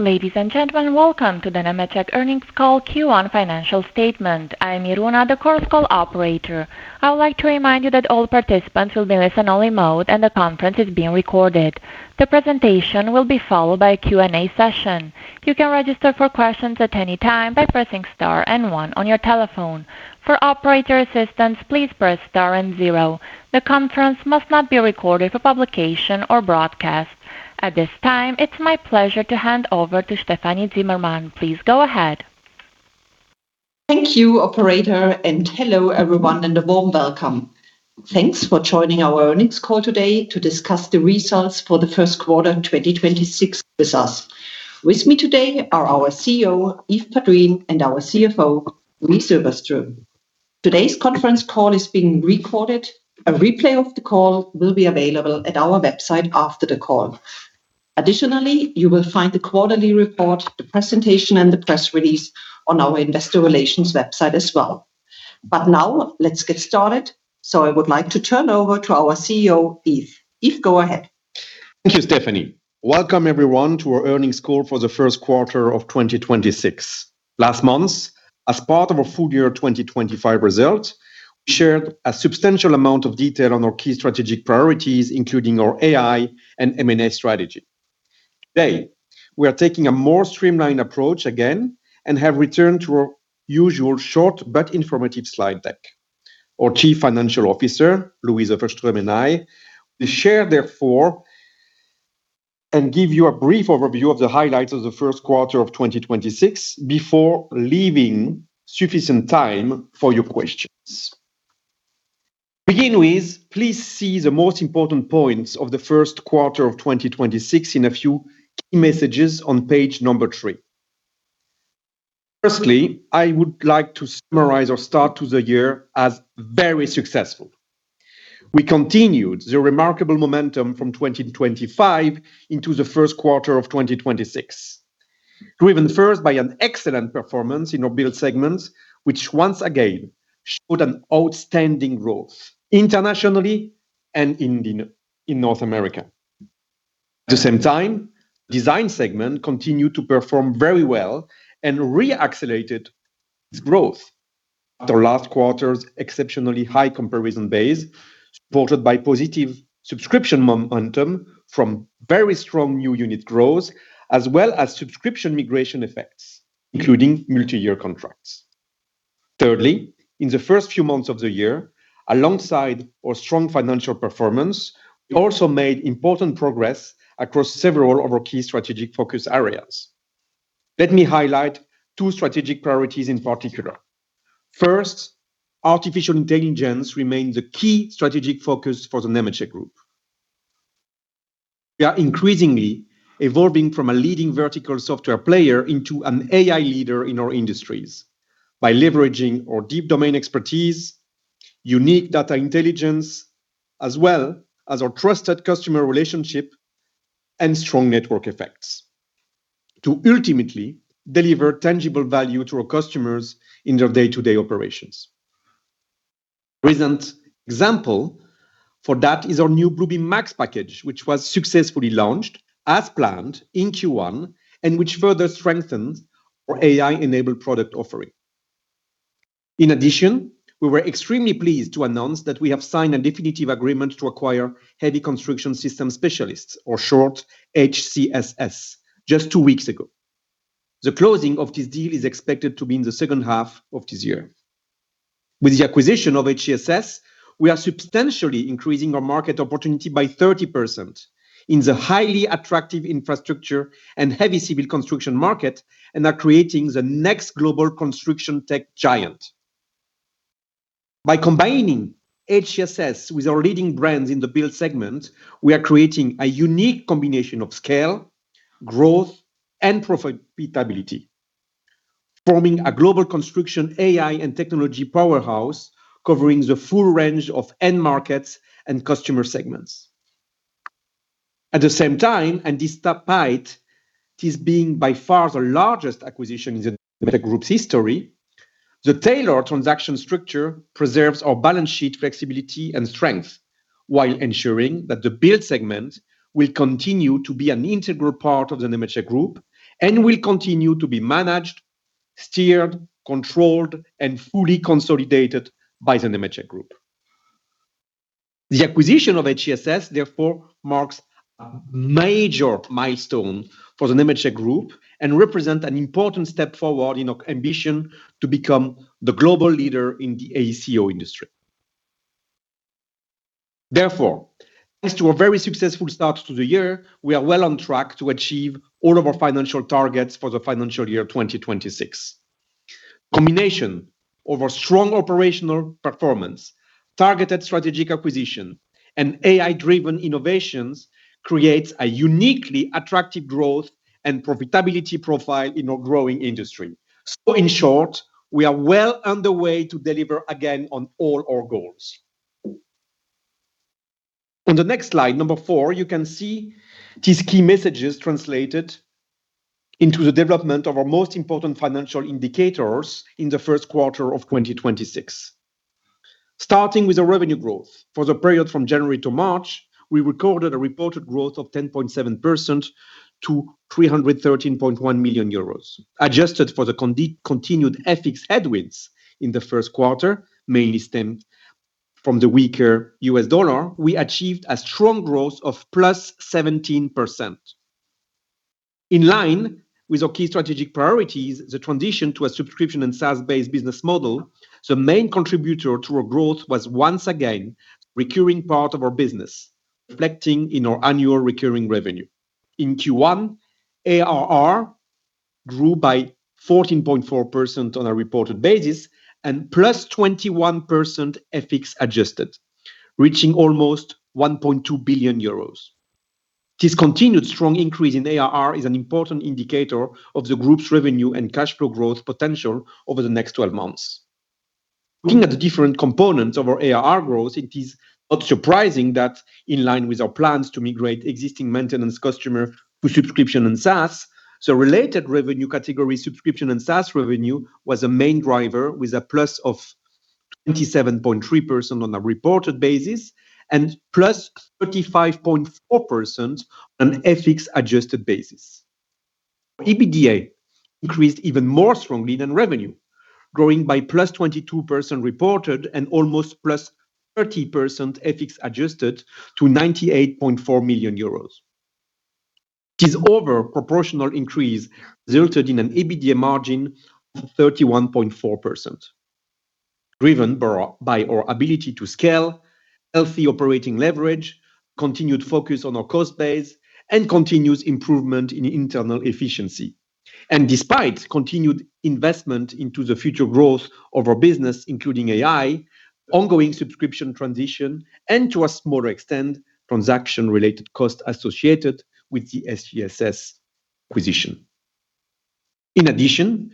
Ladies and gentlemen, welcome to the Nemetschek earnings call Q1 financial statement. I am Iruna, the core call operator. I would like to remind you that all participants will be listen-only mode, and the conference is being recorded. The presentation will be followed by a Q&A session. You can register for questions at any time by pressing star and one on your telephone. For operator assistance, please press star and zero. The conference must not be recorded for publication or broadcast. At this time, it's my pleasure to hand over to Stefanie Zimmermann. Please go ahead. Thank you, operator, and hello everyone and a warm welcome. Thanks for joining our earnings call today to discuss the results for the first quarter in 2026 with us. With me today are our CEO, Yves Padrines, and our CFO, Louise Öfverström. Today's conference call is being recorded. A replay of the call will be available at our website after the call. Additionally, you will find the quarterly report, the presentation, and the press release on our investor relations website as well. Now let's get started. I would like to turn over to our CEO, Yves. Yves, go ahead. Thank you, Stefanie. Welcome everyone to our earnings call for the first quarter of 2026. Last month, as part of a full year 2025 result, we shared a substantial amount of detail on our key strategic priorities, including our AI and M&A strategy. Today, we are taking a more streamlined approach again and have returned to our usual short but informative slide deck. Our Chief Financial Officer, Louise Öfverström, and I will share therefore and give you a brief overview of the highlights of the first quarter of 2026 before leaving sufficient time for your questions. To begin with, please see the most important points of the first quarter of 2026 in a few key messages on page number 3. Firstly, I would like to summarize our start to the year as very successful. We continued the remarkable momentum from 2025 into the first quarter of 2026. Driven first by an excellent performance in our Build segments, which once again showed an outstanding growth internationally and in North America. At the same time, Design segment continued to perform very well and re-accelerated its growth after last quarter's exceptionally high comparison base, supported by positive subscription momentum from very strong new unit growth, as well as subscription migration effects, including multi-year contracts. Thirdly, in the first few months of the year, alongside our strong financial performance, we also made important progress across several of our key strategic focus areas. Let me highlight two strategic priorities in particular. First, artificial intelligence remains a key strategic focus for the Nemetschek Group. We are increasingly evolving from a leading vertical software player into an AI leader in our industries by leveraging our deep domain expertise, unique data intelligence, as well as our trusted customer relationship and strong network effects to ultimately deliver tangible value to our customers in their day-to-day operations. Recent example for that is our new Bluebeam Max package, which was successfully launched as planned in Q1 and which further strengthens our AI-enabled product offering. In addition, we were extremely pleased to announce that we have signed a definitive agreement to acquire Heavy Construction Systems Specialists, or short HCSS, just two weeks ago. The closing of this deal is expected to be in the second half of this year. With the acquisition of HCSS, we are substantially increasing our market opportunity by 30% in the highly attractive infrastructure and heavy civil construction market and are creating the next global construction tech giant. By combining HCSS with our leading brands in the Build segment, we are creating a unique combination of scale, growth, and profitability, forming a global construction AI and technology powerhouse covering the full range of end Markets and Customer segments. At the same time, despite this being by far the largest acquisition in the Nemetschek Group's history, the tailored transaction structure preserves our balance sheet flexibility and strength, while ensuring that the Build segment will continue to be an integral part of the Nemetschek Group and will continue to be managed, steered, controlled, and fully consolidated by the Nemetschek Group. The acquisition of HCSS therefore marks a major milestone for the Nemetschek Group and represent an important step forward in our ambition to become the global leader in the AECO industry. Therefore, as to a very successful start to the year, we are well on track to achieve all of our financial targets for the financial year 2026. Combination of our strong operational performance, targeted strategic acquisition, and AI-driven innovations creates a uniquely attractive growth and profitability profile in our growing industry. In short, we are well on the way to deliver again on all our goals. On the next slide, number 4, you can see these key messages translated into the development of our most important financial indicators in the first quarter of 2026. Starting with the revenue growth. For the period from January to March, we recorded a reported growth of 10.7% to 313.1 million euros. Adjusted for the continued FX headwinds in the first quarter, mainly stemmed from the weaker U.S. dollar, we achieved a strong growth of +17%. In line with our key strategic priorities, the transition to a subscription and SaaS-based business model, the main contributor to our growth was once again recurring part of our business, reflecting in our annual recurring revenue. In Q1, ARR grew by 14.4% on a reported basis and +21% FX adjusted, reaching almost 1.2 billion euros. This continued strong increase in ARR is an important indicator of the group's revenue and cash flow growth potential over the next 12 months. Looking at the different components of our ARR growth, it is not surprising that in line with our plans to migrate existing maintenance customer to subscription and SaaS, the related revenue category subscription and SaaS revenue was a main driver with a +27.3% on a reported basis and +35.4% on an FX adjusted basis. EBITDA increased even more strongly than revenue, growing by +22% reported and almost +30% FX adjusted to 98.4 million euros. This over proportional increase resulted in an EBITDA margin of 31.4%, driven by our ability to scale healthy operating leverage, continued focus on our cost base, and continuous improvement in internal efficiency. Despite continued investment into the future growth of our business, including AI, ongoing subscription transition, and to a smaller extent, transaction-related costs associated with the HCSS acquisition. In addition,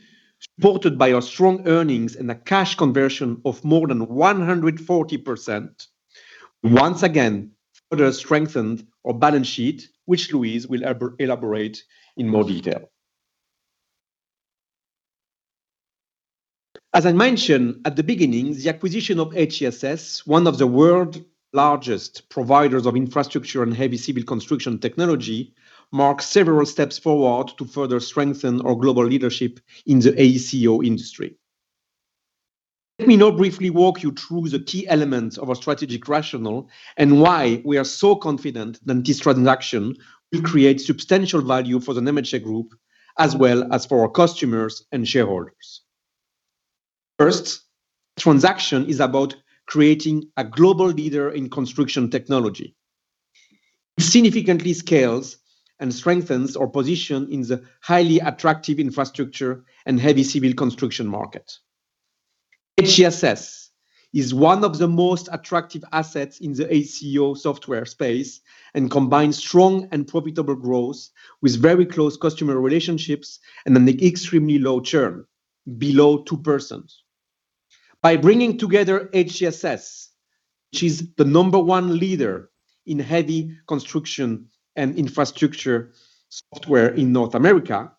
supported by our strong earnings and a cash conversion of more than 140%, once again, further strengthened our balance sheet, which Louise will elaborate in more detail. As I mentioned at the beginning, the acquisition of HCSS, one of the world largest providers of infrastructure and heavy civil construction technology, marks several steps forward to further strengthen our global leadership in the AECO industry. Let me now briefly walk you through the key elements of our strategic rationale and why we are so confident that this transaction will create substantial value for the Nemetschek Group, as well as for our customers and shareholders. First, transaction is about creating a global leader in construction technology. It significantly scales and strengthens our position in the highly attractive infrastructure and heavy civil construction market. HCSS is one of the most attractive assets in the AECO software space and combines strong and profitable growth with very close customer relationships and an extremely low churn, below 2%. By bringing together HCSS, which is the number one leader in heavy construction and infrastructure software in North America,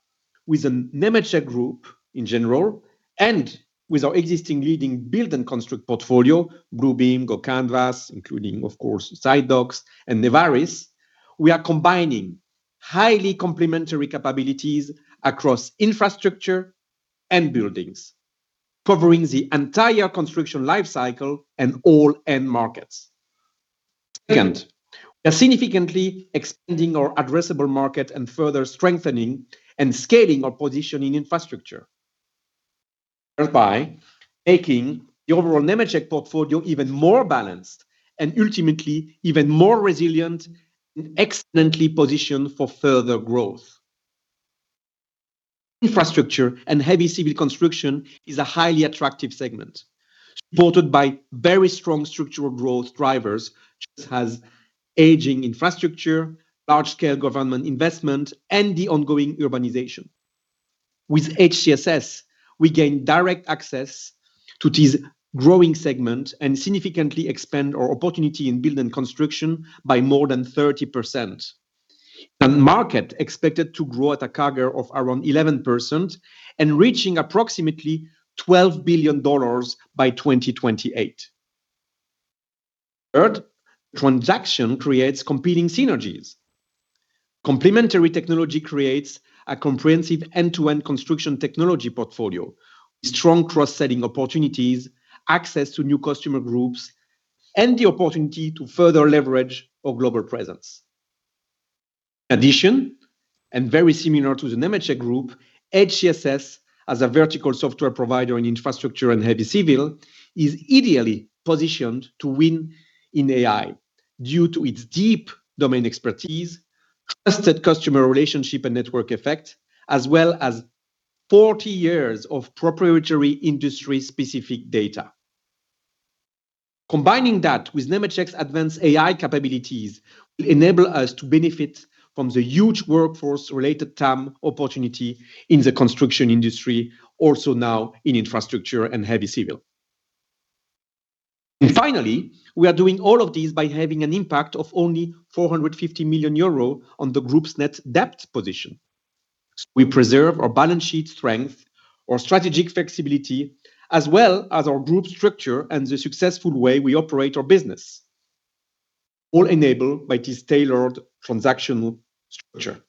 with the Nemetschek Group in general, and with our existing leading build and construct portfolio, Bluebeam, GoCanvas, including of course SiteDocs and NEVARIS, we are combining highly complementary capabilities across infrastructure and buildings, covering the entire construction life cycle and all end markets. Second, we are significantly expanding our addressable market and further strengthening and scaling our position in infrastructure, thereby making the overall Nemetschek portfolio even more balanced and ultimately even more resilient and excellently positioned for further growth. Infrastructure and heavy civil construction is a highly attractive segment, supported by very strong structural growth drivers, such as aging infrastructure, large-scale government investment, and the ongoing urbanization. With HCSS, we gain direct access to this growing segment and significantly expand our opportunity in building construction by more than 30%. A market expected to grow at a CAGR of around 11% and reaching approximately EUR 12 billion by 2028. Third, transaction creates complementary synergies. Complementary technology creates a comprehensive end-to-end construction technology portfolio with strong cross-selling opportunities, access to new customer groups, and the opportunity to further leverage our global presence. In addition, very similar to the Nemetschek Group, HCSS, as a vertical software provider in infrastructure and heavy civil, is ideally positioned to win in AI due to its deep domain expertise, trusted customer relationship and network effect, as well as 40 years of proprietary industry-specific data. Combining that with Nemetschek's advanced AI capabilities will enable us to benefit from the huge workforce-related TAM opportunity in the construction industry, also now in infrastructure and heavy civil. Finally, we are doing all of this by having an impact of only 450 million euro on the group's net debt position. We preserve our balance sheet strength, our strategic flexibility, as well as our group structure and the successful way we operate our business, all enabled by this tailored transactional structure.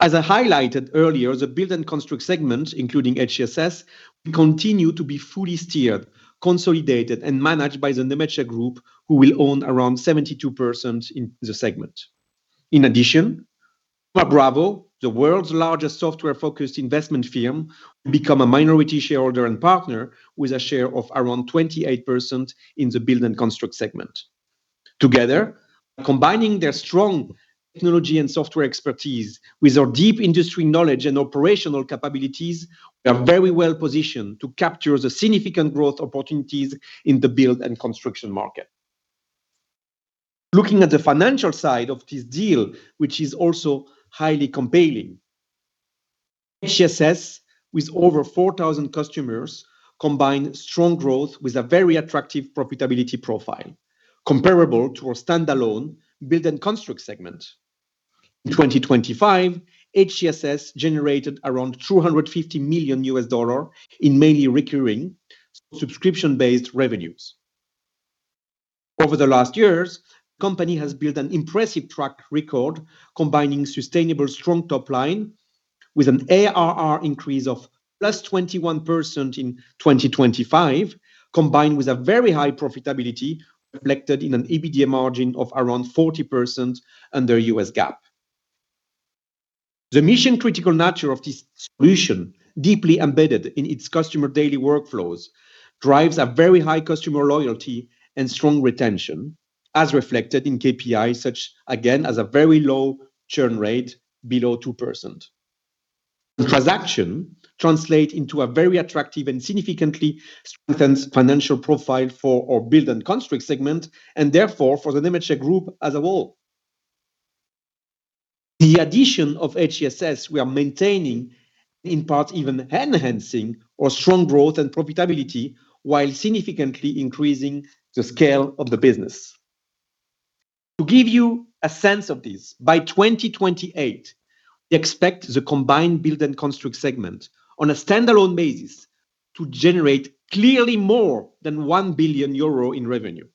As I highlighted earlier, the Build and Construct segment, including HCSS, will continue to be fully steered, consolidated, and managed by the Nemetschek Group, who will own around 72% in the segment. In addition, Thoma Bravo, the world's largest software-focused investment firm, will become a minority shareholder and partner with a share of around 28% in the Build and Construct segment. Together, combining their strong technology and software expertise with our deep industry knowledge and operational capabilities, we are very well-positioned to capture the significant growth opportunities in the build and construction market. Looking at the financial side of this deal, which is also highly compelling, HCSS, with over 4,000 customers, combine strong growth with a very attractive profitability profile, comparable to our standalone Build and Construct segment. In 2025, HCSS generated around $250 million in mainly recurring subscription-based revenues. Over the last years, the company has built an impressive track record combining sustainable strong top line with an ARR increase of plus 21% in 2025, combined with a very high profitability reflected in an EBITDA margin of around 40% under U.S. GAAP. The mission-critical nature of this solution, deeply embedded in its customer daily workflows, drives a very high customer loyalty and strong retention, as reflected in KPIs such, again, as a very low churn rate below 2%. The transaction translate into a very attractive and significantly strengthened financial profile for our Build and Construct segment and therefore for the Nemetschek Group as a whole. The addition of HCSS, we are maintaining, in part even enhancing, our strong growth and profitability while significantly increasing the scale of the business. To give you a sense of this, by 2028, we expect the combined Build and Construct segment on a standalone basis to generate clearly more than 1 billion euro in revenue.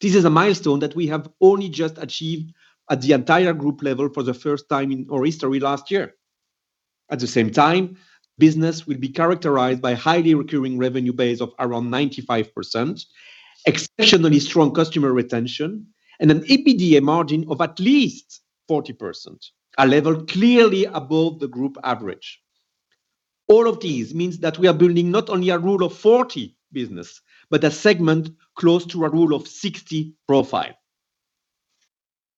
This is a milestone that we have only just achieved at the entire group level for the first time in our history last year. At the same time, business will be characterized by highly recurring revenue base of around 95%, exceptionally strong customer retention, and an EBITDA margin of at least 40%, a level clearly above the group average. All of these means that we are building not only a rule of 40 business, but a segment close to a rule of 60 profile.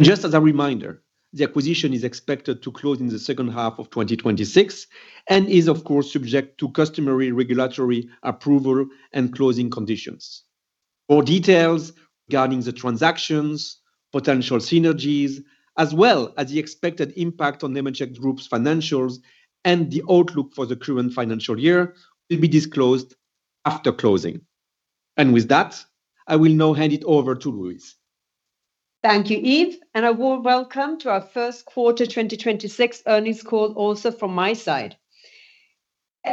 Just as a reminder, the acquisition is expected to close in the second half of 2026 and is of course subject to customary regulatory approval and closing conditions. More details regarding the transactions, potential synergies, as well as the expected impact on Nemetschek Group's financials and the outlook for the current financial year will be disclosed after closing. With that, I will now hand it over to Louise. Thank you, Yves, and a warm welcome to our first quarter 2026 earnings call also from my side.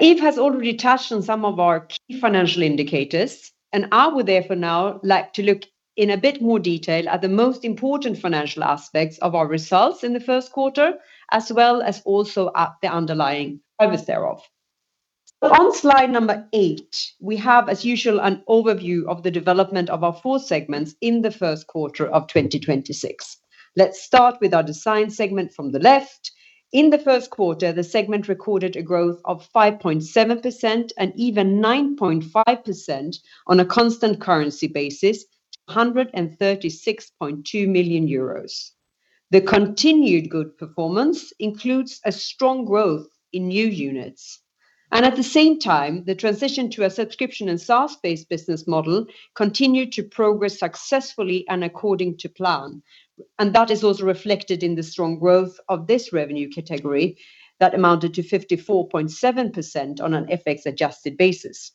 Yves has already touched on some of our key financial indicators, and I would therefore now like to look in a bit more detail at the most important financial aspects of our results in the first quarter, as well as also at the underlying drivers thereof. On slide number 8, we have, as usual, an overview of the development of our four segments in the first quarter of 2026. Let's start with our Design segment from the left. In the first quarter, the segment recorded a growth of 5.7% and even 9.5% on a constant currency basis to 136.2 million euros. The continued good performance includes a strong growth in new units. At the same time, the transition to a subscription and SaaS-based business model continued to progress successfully and according to plan. That is also reflected in the strong growth of this revenue category that amounted to 54.7% on an FX-adjusted basis.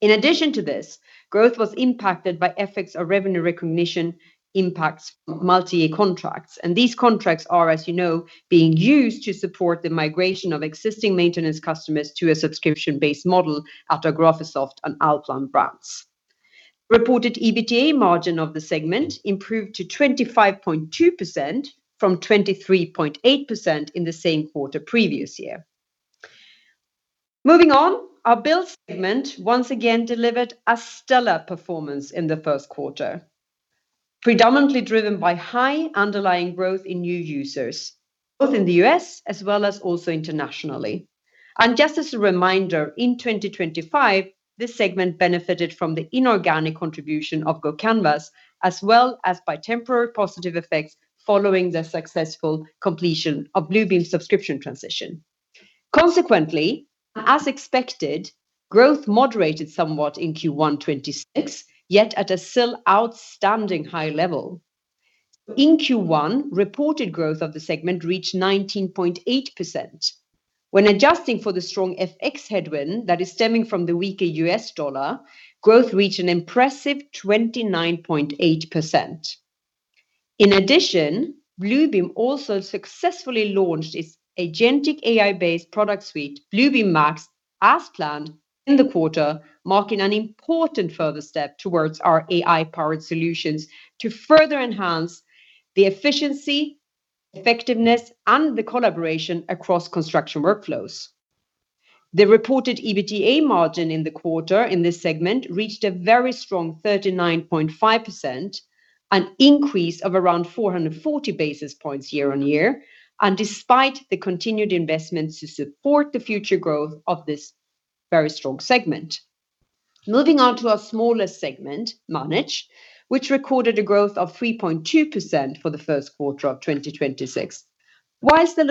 In addition to this, growth was impacted by FX or revenue recognition impacts from multi-year contracts. These contracts are, as you know, being used to support the migration of existing maintenance customers to a subscription-based model at our Graphisoft and ALLPLAN brands. Reported EBITDA margin of the segment improved to 25.2% from 23.8% in the same quarter previous year. Moving on, our Build segment once again delivered a stellar performance in the first quarter, predominantly driven by high underlying growth in new users, both in the U.S. as well as also internationally. Just as a reminder, in 2025, this segment benefited from the inorganic contribution of GoCanvas, as well as by temporary positive effects following the successful completion of Bluebeam's subscription transition. Consequently, as expected, growth moderated somewhat in Q1 2026, yet at a still outstanding high level. In Q1, reported growth of the segment reached 19.8%. When adjusting for the strong FX headwind that is stemming from the weaker U.S. dollar, growth reached an impressive 29.8%. In addition, Bluebeam also successfully launched its agentic AI-based product suite, Bluebeam Max, as planned in the quarter, marking an important further step towards our AI-powered solutions to further enhance the efficiency, effectiveness, and the collaboration across construction workflows. The reported EBITDA margin in the quarter in this segment reached a very strong 39.5%, an increase of around 440 basis points year-on-year, despite the continued investments to support the future growth of this very strong segment. Moving on to our smallest segment, Manage, which recorded a growth of 3.2% for the first quarter of 2026. Whilst the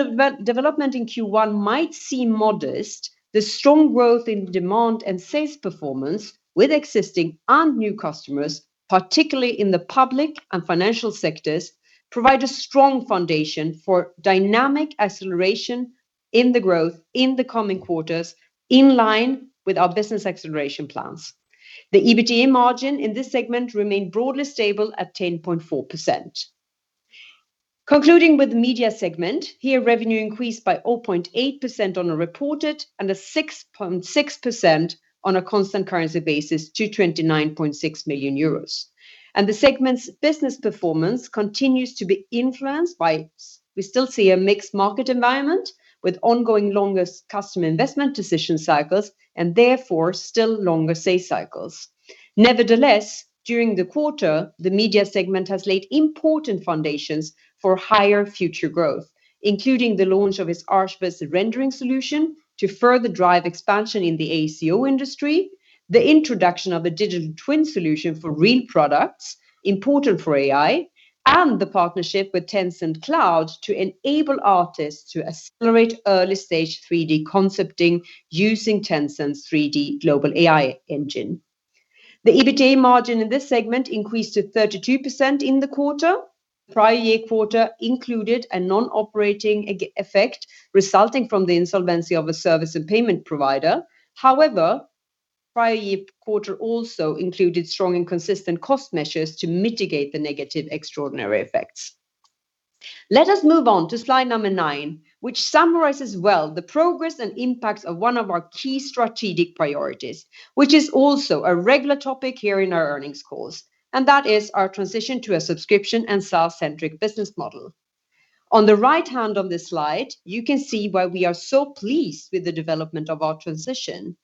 development in Q1 might seem modest, the strong growth in demand and sales performance with existing and new customers, particularly in the public and financial sectors, provide a strong foundation for dynamic acceleration in the growth in the coming quarters, in line with our business acceleration plans. The EBITDA margin in this segment remained broadly stable at 10.4%. Concluding with the Media segment, here revenue increased by 0.8% on a reported and a 6.6% on a constant currency basis to 29.6 million euros. The segment's business performance continues to be influenced by we still see a mixed market environment with ongoing longer customer investment decision cycles and therefore still longer sales cycles. Nevertheless, during the quarter, the Media segment has laid important foundations for higher future growth, including the launch of its Archviz rendering solution to further drive expansion in the AECO industry, the introduction of a digital twin solution for real products, important for AI, and the partnership with Tencent Cloud to enable artists to accelerate early-stage 3D concepting using Tencent's 3D global AI engine. The EBITDA margin in this segment increased to 32% in the quarter. The prior year quarter included a non-operating e-effect resulting from the insolvency of a service and payment provider. However, prior year quarter also included strong and consistent cost measures to mitigate the negative extraordinary effects. Let us move on to slide number 9, which summarizes well the progress and impacts of one of our key strategic priorities, which is also a regular topic here in our earnings calls, and that is our transition to a subscription and SaaS-centric business model. On the right hand of this slide, you can see why we are so pleased with the development of our transition.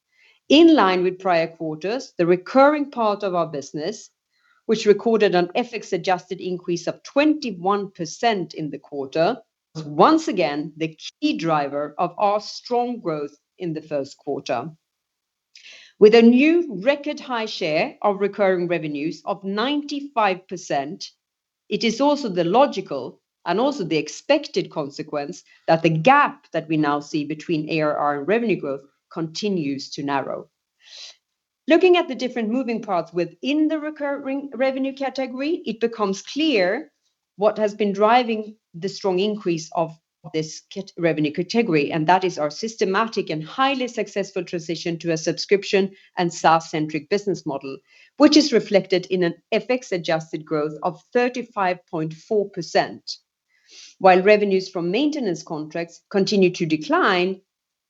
In line with prior quarters, the recurring part of our business, which recorded an FX-adjusted increase of 21% in the quarter, was once again the key driver of our strong growth in the first quarter. With a new record high share of recurring revenues of 95%, it is also the logical and also the expected consequence that the gap that we now see between ARR and revenue growth continues to narrow. Looking at the different moving parts within the recurring revenue category, it becomes clear what has been driving the strong increase of this revenue category, and that is our systematic and highly successful transition to a subscription and SaaS-centric business model, which is reflected in an FX-adjusted growth of 35.4%, while revenues from maintenance contracts continue to decline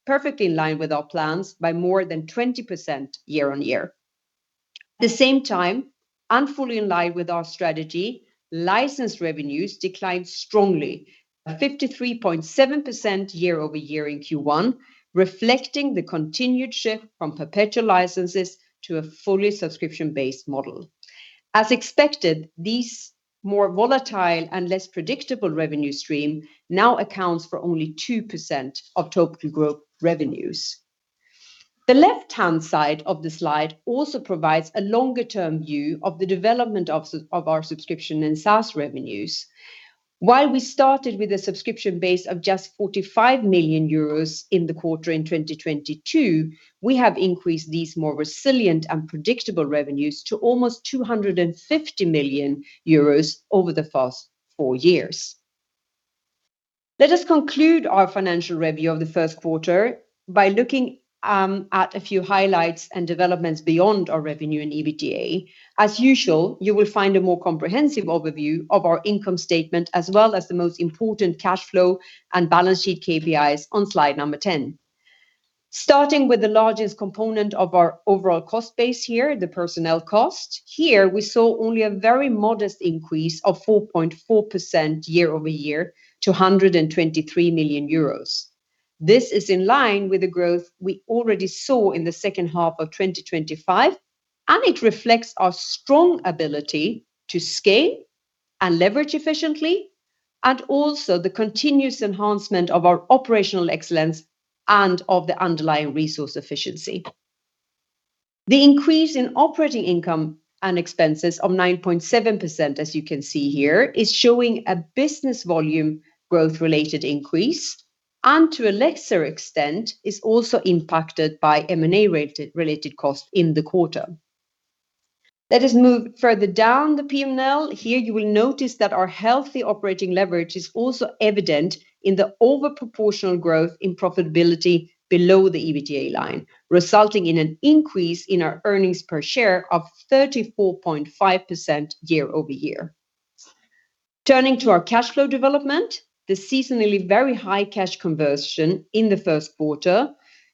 perfectly in line with our plans by more than 20% year-on-year. At the same time, and fully in line with our strategy, license revenues declined strongly, at 53.7% year-over-year in Q1, reflecting the continued shift from perpetual licenses to a fully subscription-based model. As expected, this more volatile and less predictable revenue stream now accounts for only 2% of total group revenues. The left-hand side of the slide also provides a longer-term view of the development of our subscription and SaaS revenues. While we started with a subscription base of just 45 million euros in the quarter in 2022, we have increased these more resilient and predictable revenues to almost 250 million euros over the first four years. Let us conclude our financial review of the first quarter by looking at a few highlights and developments beyond our revenue and EBITDA. As usual, you will find a more comprehensive overview of our income statement as well as the most important cash flow and balance sheet KPIs on slide number 10. Starting with the largest component of our overall cost base here, the personnel cost, here we saw only a very modest increase of 4.4% year-over-year to 123 million euros. This is in line with the growth we already saw in the second half of 2025, and it reflects our strong ability to scale and leverage efficiently, and also the continuous enhancement of our operational excellence and of the underlying resource efficiency. The increase in operating income and expenses of 9.7%, as you can see here, is showing a business volume growth-related increase, and to a lesser extent, is also impacted by M&A related costs in the quarter. Let us move further down the P&L. Here you will notice that our healthy operating leverage is also evident in the overproportional growth in profitability below the EBITDA line, resulting in an increase in our earnings per share of 34.5% year-over-year. Turning to our cash flow development, the seasonally very high cash conversion in the first quarter,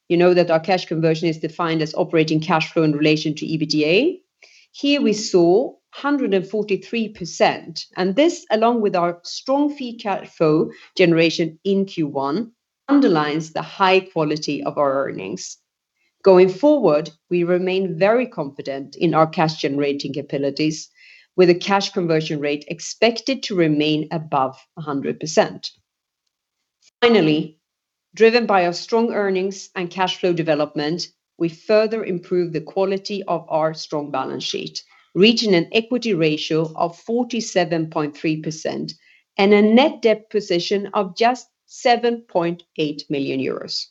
you know that our cash conversion is defined as operating cash flow in relation to EBITDA. Here we saw 143%, and this, along with our strong free cash flow generation in Q1, underlines the high quality of our earnings. Going forward, we remain very confident in our cash generating capabilities with a cash conversion rate expected to remain above 100%. Finally, driven by our strong earnings and cash flow development, we further improve the quality of our strong balance sheet, reaching an equity ratio of 47.3% and a net debt position of just 7.8 million euros.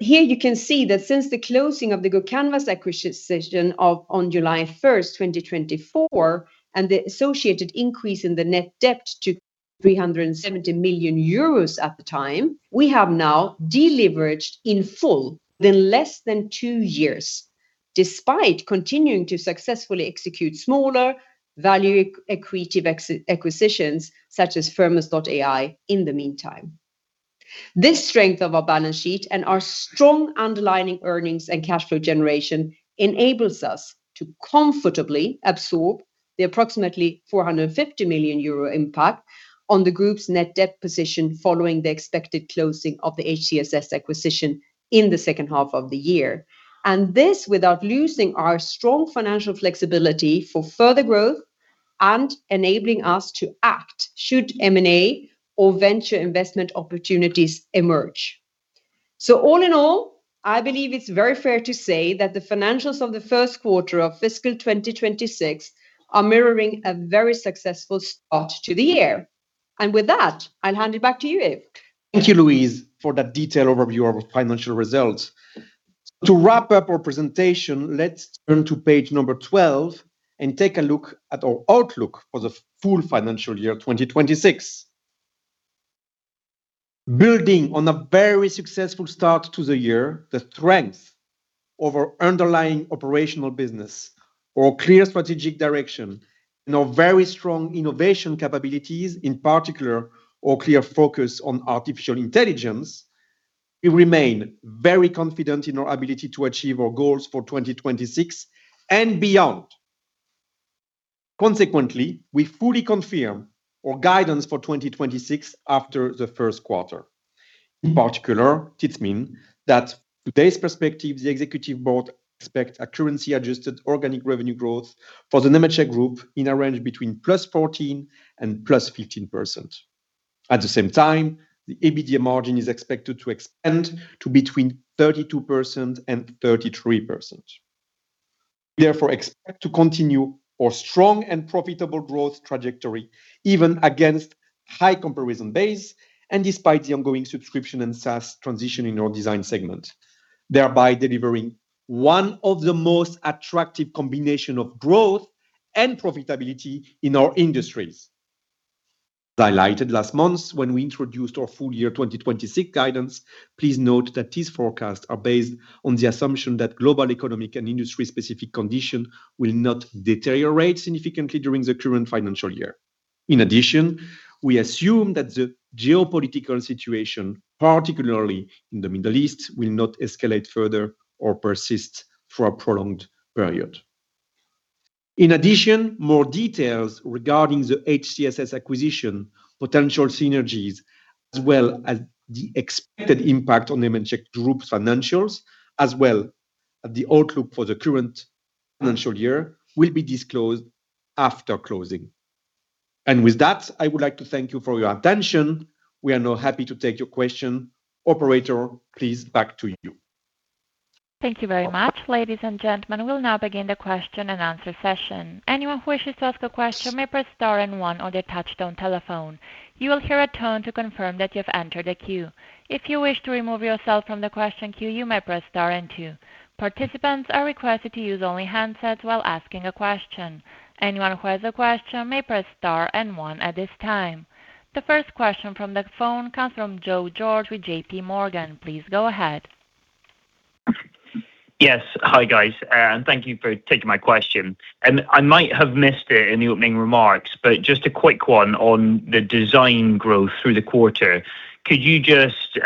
Here you can see that since the closing of the GoCanvas acquisition on July 1st, 2024, and the associated increase in the net debt to 370 million euros at the time, we have now deleveraged in full in less than two years, despite continuing to successfully execute smaller value accretive acquisitions such as Firmus.ai in the meantime. This strength of our balance sheet and our strong underlying earnings and cash flow generation enables us to comfortably absorb the approximately 450 million euro impact on the group's net debt position following the expected closing of the HCSS acquisition in the second half of the year. This without losing our strong financial flexibility for further growth and enabling us to act should M&A or venture investment opportunities emerge. All in all, I believe it's very fair to say that the financials of the first quarter of fiscal 2026 are mirroring a very successful start to the year. With that, I'll hand it back to you, Yves. Thank you, Louise, for that detailed overview of our financial results. To wrap up our presentation, let's turn to page number 12 and take a look at our outlook for the full financial year 2026. Building on a very successful start to the year, the strength of our underlying operational business, our clear strategic direction and our very strong innovation capabilities, in particular our clear focus on artificial intelligence, we remain very confident in our ability to achieve our goals for 2026 and beyond. Consequently, we fully confirm our guidance for 2026 after the first quarter. In particular, this means that today's perspective, the Executive Board expects a currency adjusted organic revenue growth for the Nemetschek Group in a range between +14% and +15%. At the same time, the EBITDA margin is expected to expand to between 32% and 33%. We therefore expect to continue our strong and profitable growth trajectory even against high comparison base and despite the ongoing subscription and SaaS transition in our Design segment, thereby delivering one of the most attractive combination of growth and profitability in our industries. Highlighted last month when we introduced our full year 2026 guidance, please note that these forecasts are based on the assumption that global economic and industry-specific condition will not deteriorate significantly during the current financial year. In addition, we assume that the geopolitical situation, particularly in the Middle East, will not escalate further or persist for a prolonged period. In addition, more details regarding the HCSS acquisition potential synergies as well as the expected impact on Nemetschek Group's financials as well as the outlook for the current financial year will be disclosed after closing. With that, I would like to thank you for your attention. We are now happy to take your question. Operator, please back to you. Thank you very much. Ladies and gentlemen, we'll now begin the question and answer session. Anyone who wishes to ask a question may press star and one on their touchtone telephone. You will hear a tone to confirm that you have entered the queue. If you wish to remove yourself from the question queue, you may press star and two. Participants are requested to use only handsets while asking a question. Anyone who has a question may press star and one at this time. The first question from the phone comes from Joe George with JPMorgan. Please go ahead. Yes. Hi, guys, thank you for taking my question. I might have missed it in the opening remarks, but just a quick 1 on the design growth through the quarter. Could you just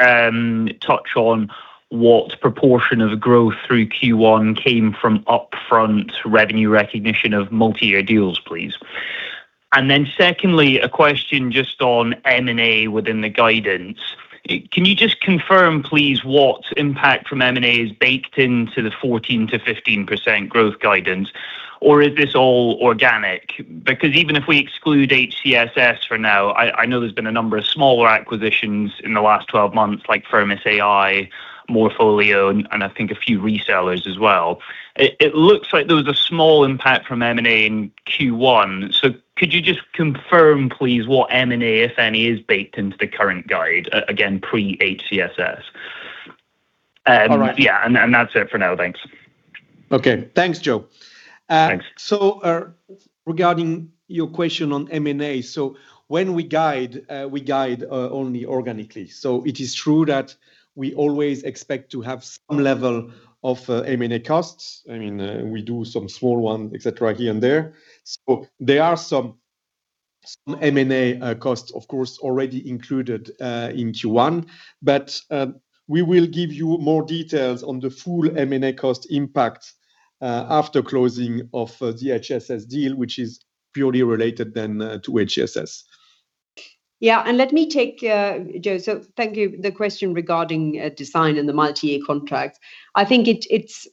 touch on what proportion of growth through Q1 came from upfront revenue recognition of multi-year deals, please? Then secondly, a question just on M&A within the guidance. Can you just confirm, please, what impact from M&A is baked into the 14%-15% growth guidance? Or is this all organic? Even if we exclude HCSS for now, I know there's been a number of smaller acquisitions in the last 12 months, like Firmus.ai, Morpholio, and I think a few resellers as well. It looks like there was a small impact from M&A in Q1. Could you just confirm, please, what M&A, if any, is baked into the current guide, again, pre-HCSS? Yeah, and that's it for now. Thanks. Okay. Thanks, Joe. Thanks. Regarding your question on M&A. When we guide, we guide only organically. It is true that we always expect to have some level of M&A costs. I mean, we do some small one, et cetera, here and there. There are some M&A costs, of course, already included in Q1. We will give you more details on the full M&A cost impact after closing of the HCSS deal, which is purely related than to HCSS. Let me take Joe. Thank you. The question regarding design and the multi-year contract. I think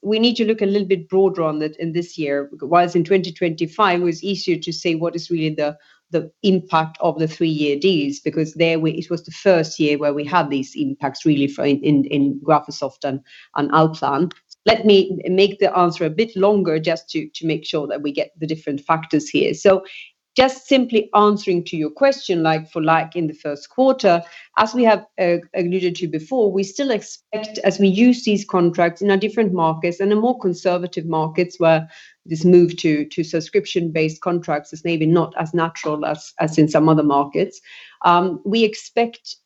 we need to look a little bit broader on it in this year. Whereas in 2025, it was easier to say what is really the impact of the three year deals because there it was the first year where we had these impacts really for Graphisoft and ALLPLAN. Let me make the answer a bit longer just to make sure that we get the different factors here. Just simply answering to your question like for like in the first quarter, as we have alluded to before, we still expect as we use these contracts in our different markets and the more conservative markets where this move to subscription-based contracts is maybe not as natural as in some other markets. We expect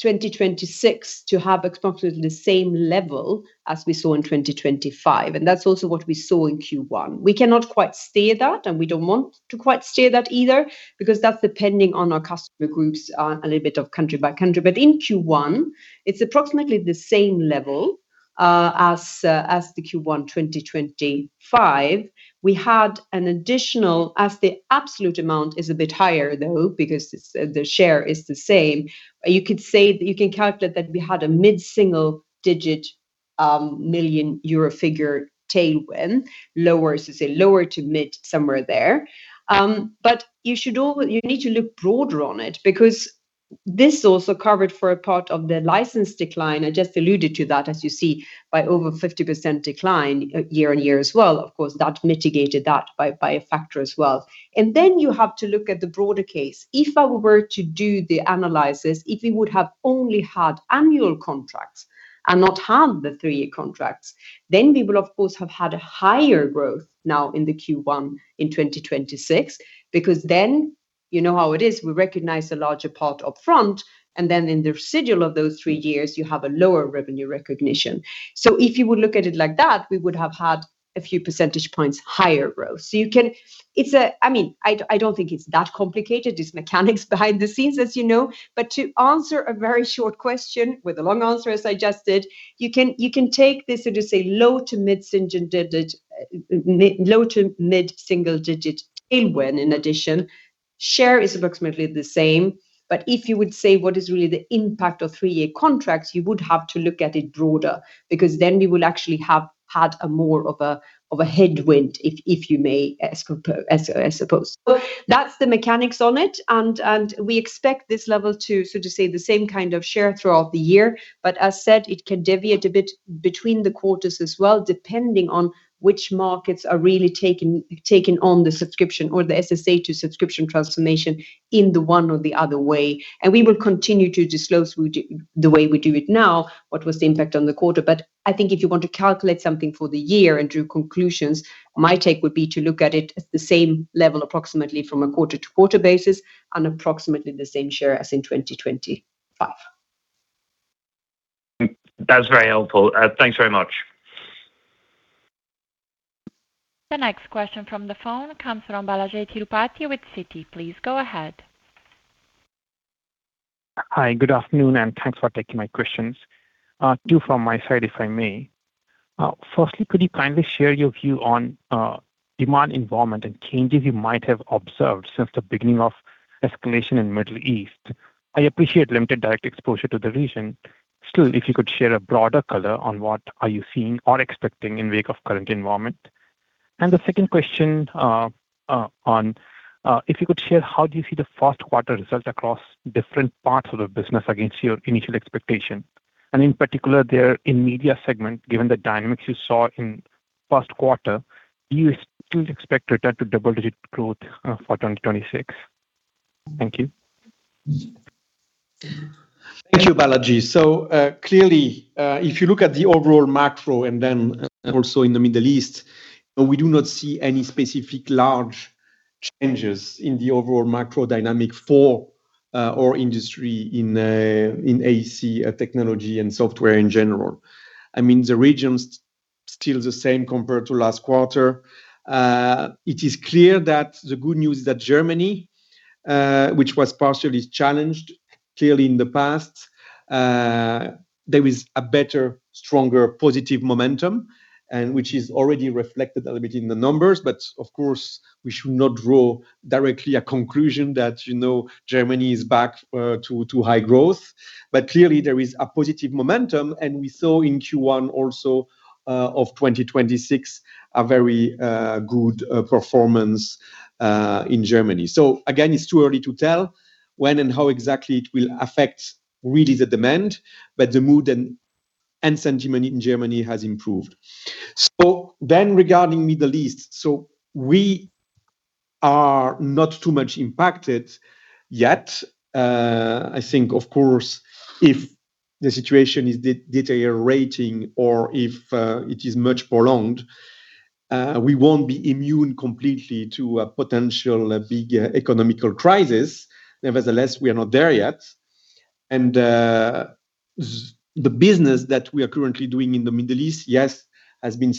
2026 to have approximately the same level as we saw in 2025, and that's also what we saw in Q1. We cannot quite say that, and we don't want to quite say that either because that's depending on our customer groups, a little bit of country by country. In Q1, it's approximately the same level as the Q1 2025. We had an additional as the absolute amount is a bit higher, though, because it's, the share is the same. You could say that you can calculate that we had a EUR mid-single digit million figure tailwind, lower to mid somewhere there. You should you need to look broader on it because this also covered for a part of the license decline. I just alluded to that, as you see, by over 50% decline year-over-year as well. Of course, that mitigated that by a factor as well. Then you have to look at the broader case. If I were to do the analysis, if we would have only had annual contracts and not had the three-year contracts, then we will of course have had a higher growth now in the Q1 in 2026 because then you know how it is. We recognize a larger part up front, in the residual of those three years, you have a lower revenue recognition. If you would look at it like that, we would have had a few percentage points higher growth. You can. It's I mean, I don't think it's that complicated, these mechanics behind the scenes, you know. To answer a very short question with a long answer, as I just did, you can take this so to say low to mid single digit tailwind in addition. Share is approximately the same. If you would say what is really the impact of three year contracts, you would have to look at it broader because then we will actually have had a more of a headwind if you may, as supposed. That's the mechanics on it, and we expect this level to so to say the same kind of share throughout the year. As said, it can deviate a bit between the quarters as well, depending on which markets are really taking on the subscription or the SSA to subscription transformation in the one or the other way. We will continue to disclose the way we do it now, what was the impact on the quarter. I think if you want to calculate something for the year and drew conclusions, my take would be to look at it at the same level approximately from a quarter-to-quarter basis and approximately the same share as in 2025. That was very helpful. Thanks very much. The next question from the phone comes from Balaji Tirupati with Citi. Please go ahead. Hi, good afternoon, and thanks for taking my questions. Two from my side, if I may. Firstly, could you kindly share your view on demand involvement and changes you might have observed since the beginning of escalation in Middle East? I appreciate limited direct exposure to the region. If you could share a broader color on what are you seeing or expecting in wake of current environment. The second question on if you could share how do you see the first quarter results across different parts of the business against your initial expectation. In particular, there in Media segment, given the dynamics you saw in first quarter, do you still expect return to double-digit growth for 2026? Thank you. Thank you, Balaji. Clearly, if you look at the overall macro and then also in the Middle East, we do not see any specific large changes in the overall macro dynamic for our industry in AECO technology and software in general. I mean, the region's still the same compared to last quarter. It is clear that the good news is that Germany, which was partially challenged clearly in the past, there is a better, stronger positive momentum and which is already reflected a little bit in the numbers. Of course, we should not draw directly a conclusion that, you know, Germany is back to high growth. Clearly there is a positive momentum, and we saw in Q1 also of 2026 a very good performance in Germany. Again, it's too early to tell when and how exactly it will affect really the demand, but the mood and sentiment in Germany has improved. Regarding Middle East, we are not too much impacted yet. I think of course, if the situation is deteriorating or if it is much prolonged, we won't be immune completely to a potential big economical crisis. Nevertheless, we are not there yet. The business that we are currently doing in the Middle East, yes, has been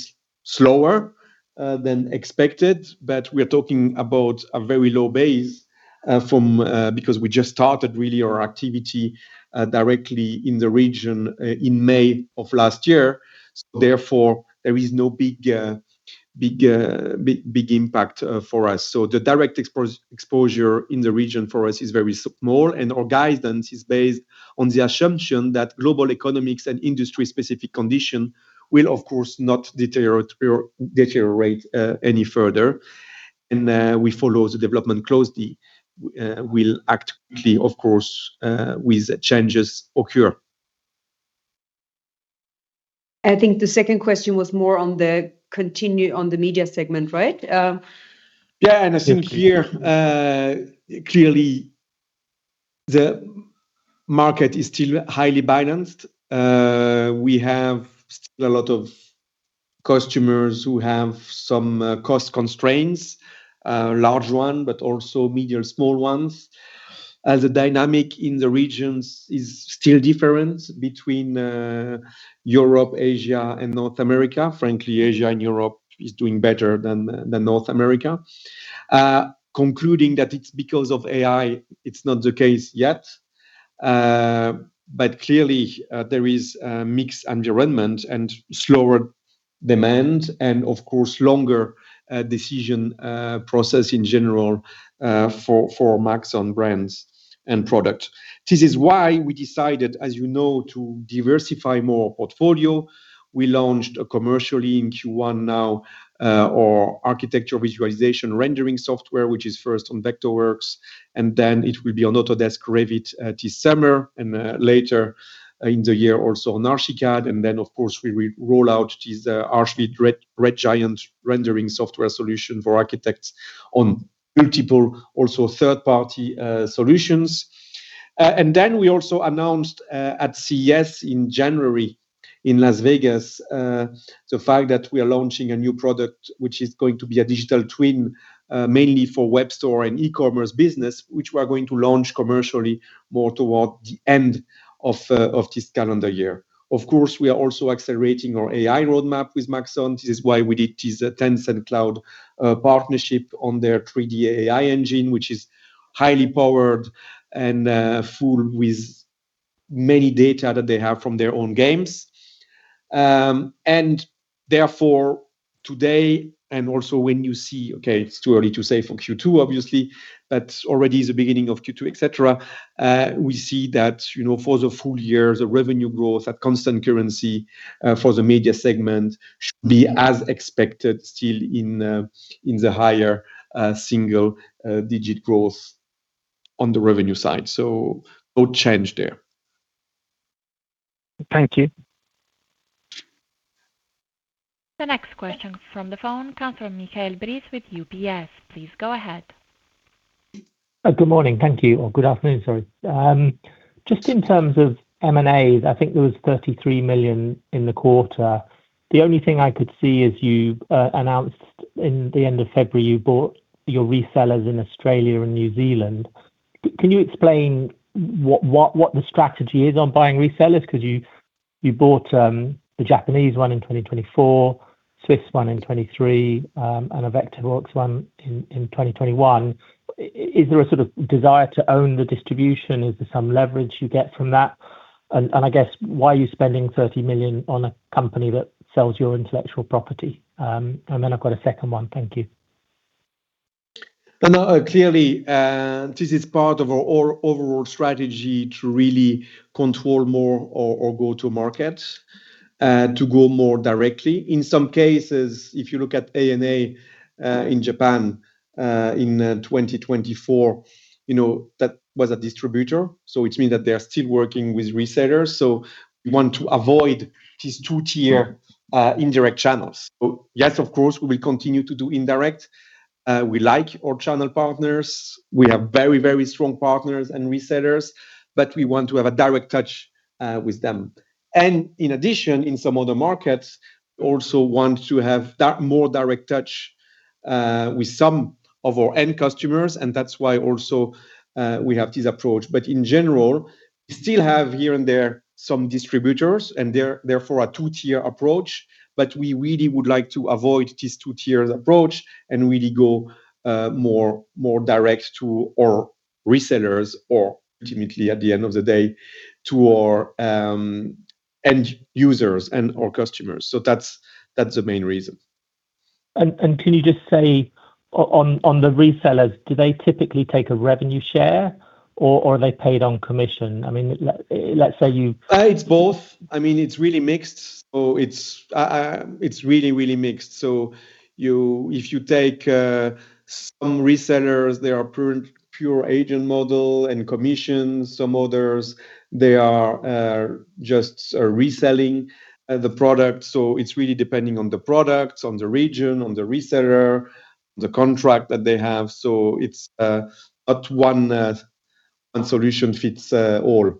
slower than expected, but we're talking about a very low base from because we just started really our activity directly in the region in May of last year. Therefore there is no big impact for us. The direct exposure in the region for us is very small, and our guidance is based on the assumption that global economics and industry-specific condition will of course not deteriorate any further. We follow the development closely. We will act quickly, of course, with changes occur. I think the second question was more on the continue on the Media segment, right? Yeah, I think. Thank you. Clearly the market is still highly balanced. We have still a lot of customers who have some cost constraints, large one, but also medium, small ones. A dynamic in the regions is still different between Europe, Asia, and North America. Frankly, Asia and Europe is doing better than North America. Concluding that it's because of AI, it's not the case yet. Clearly, there is a mixed environment and slower demand and of course longer decision process in general for Maxon brands and product. This is why we decided, as you know, to diversify more portfolio. We launched a commercially in Q1 now, our architecture visualization rendering software, which is first on Vectorworks, and then it will be on Autodesk Revit this summer, and later in the year also on Archicad. Of course we will roll out this Archviz Red Giant rendering software solution for architects on multiple, also third party, solutions. We also announced at CES in January in Las Vegas the fact that we are launching a new product, which is going to be a digital twin, mainly for web store and e-commerce business, which we're going to launch commercially more toward the end of this calendar year. Of course, we are also accelerating our AI roadmap with Maxon. This is why we did this Tencent Cloud partnership on their 3D AI engine, which is highly powered and full with many data that they have from their own games. Therefore today, and also when you see, okay, it's too early to say for Q2 obviously, but already the beginning of Q2, et cetera, we see that, you know, for the full year, the revenue growth at constant currency, for the Media segment should be as expected still in the higher single digit growth on the revenue side. No change there. Thank you. The next question from the phone comes from Michael Briest with UBS. Please go ahead. Good morning. Thank you. Or good afternoon, sorry. Just in terms of M&As, I think there was 33 million in the quarter. The only thing I could see is you announced in the end of February, you bought your resellers in Australia and New Zealand. Can you explain what, what the strategy is on buying resellers? Because you bought the Japanese one in 2024, Swiss one in 2023, and a Vectorworks one in 2021. Is there a sort of desire to own the distribution? Is there some leverage you get from that? I guess why are you spending 30 million on a company that sells your intellectual property? I've got a second one. Thank you. No, clearly, this is part of our overall strategy to really control more or go to market, to go more directly. In some cases, if you look at A&A, in Japan, in 2024, you know, that was a distributor, so which means that they're still working with resellers. We want to avoid these two tier indirect channels. Yes, of course, we'll continue to do indirect. We like our channel partners. We have very, very strong partners and resellers, but we want to have a direct touch with them. In addition, in some other markets, we also want to have more direct touch with some of our end customers, and that's why also, we have this approach. In general, we still have here and there some distributors and they're therefore a two tier approach. We really would like to avoid this two tiers approach and really go, more direct to our resellers or ultimately at the end of the day to our end users and our customers. That's the main reason. Can you just say on the resellers, do they typically take a revenue share or are they paid on commission? I mean, let's say It's both. I mean, it's really mixed. It's really, really mixed. If you take some resellers, they are pure agent model and commissions. Some others, they are just reselling the product. It's really depending on the products, on the region, on the reseller, the contract that they have. It's not one solution fits all.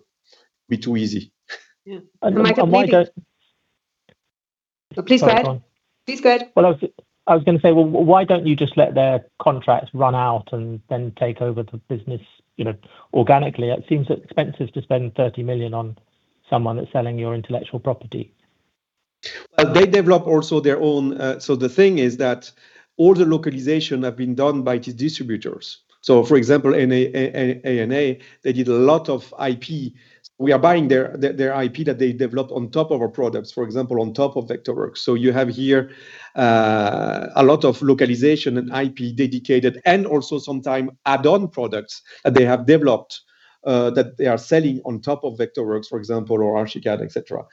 Be too easy. Yeah. Michael, maybe. Why Please go ahead. Sorry, go on. Please go ahead. I was going to say, well, why don't you just let their contracts run out, then take over the business, you know, organically? It seems expensive to spend 30 million on someone that's selling your intellectual property. Well, they develop also their own. The thing is that all the localization have been done by the distributors. For example, in A&A, they did a lot of IP. We are buying their IP that they developed on top of our products, for example, on top of Vectorworks. You have here a lot of localization and IP dedicated, and also sometime add-on products that they have developed that they are selling on top of Vectorworks, for example, or Archicad, et cetera.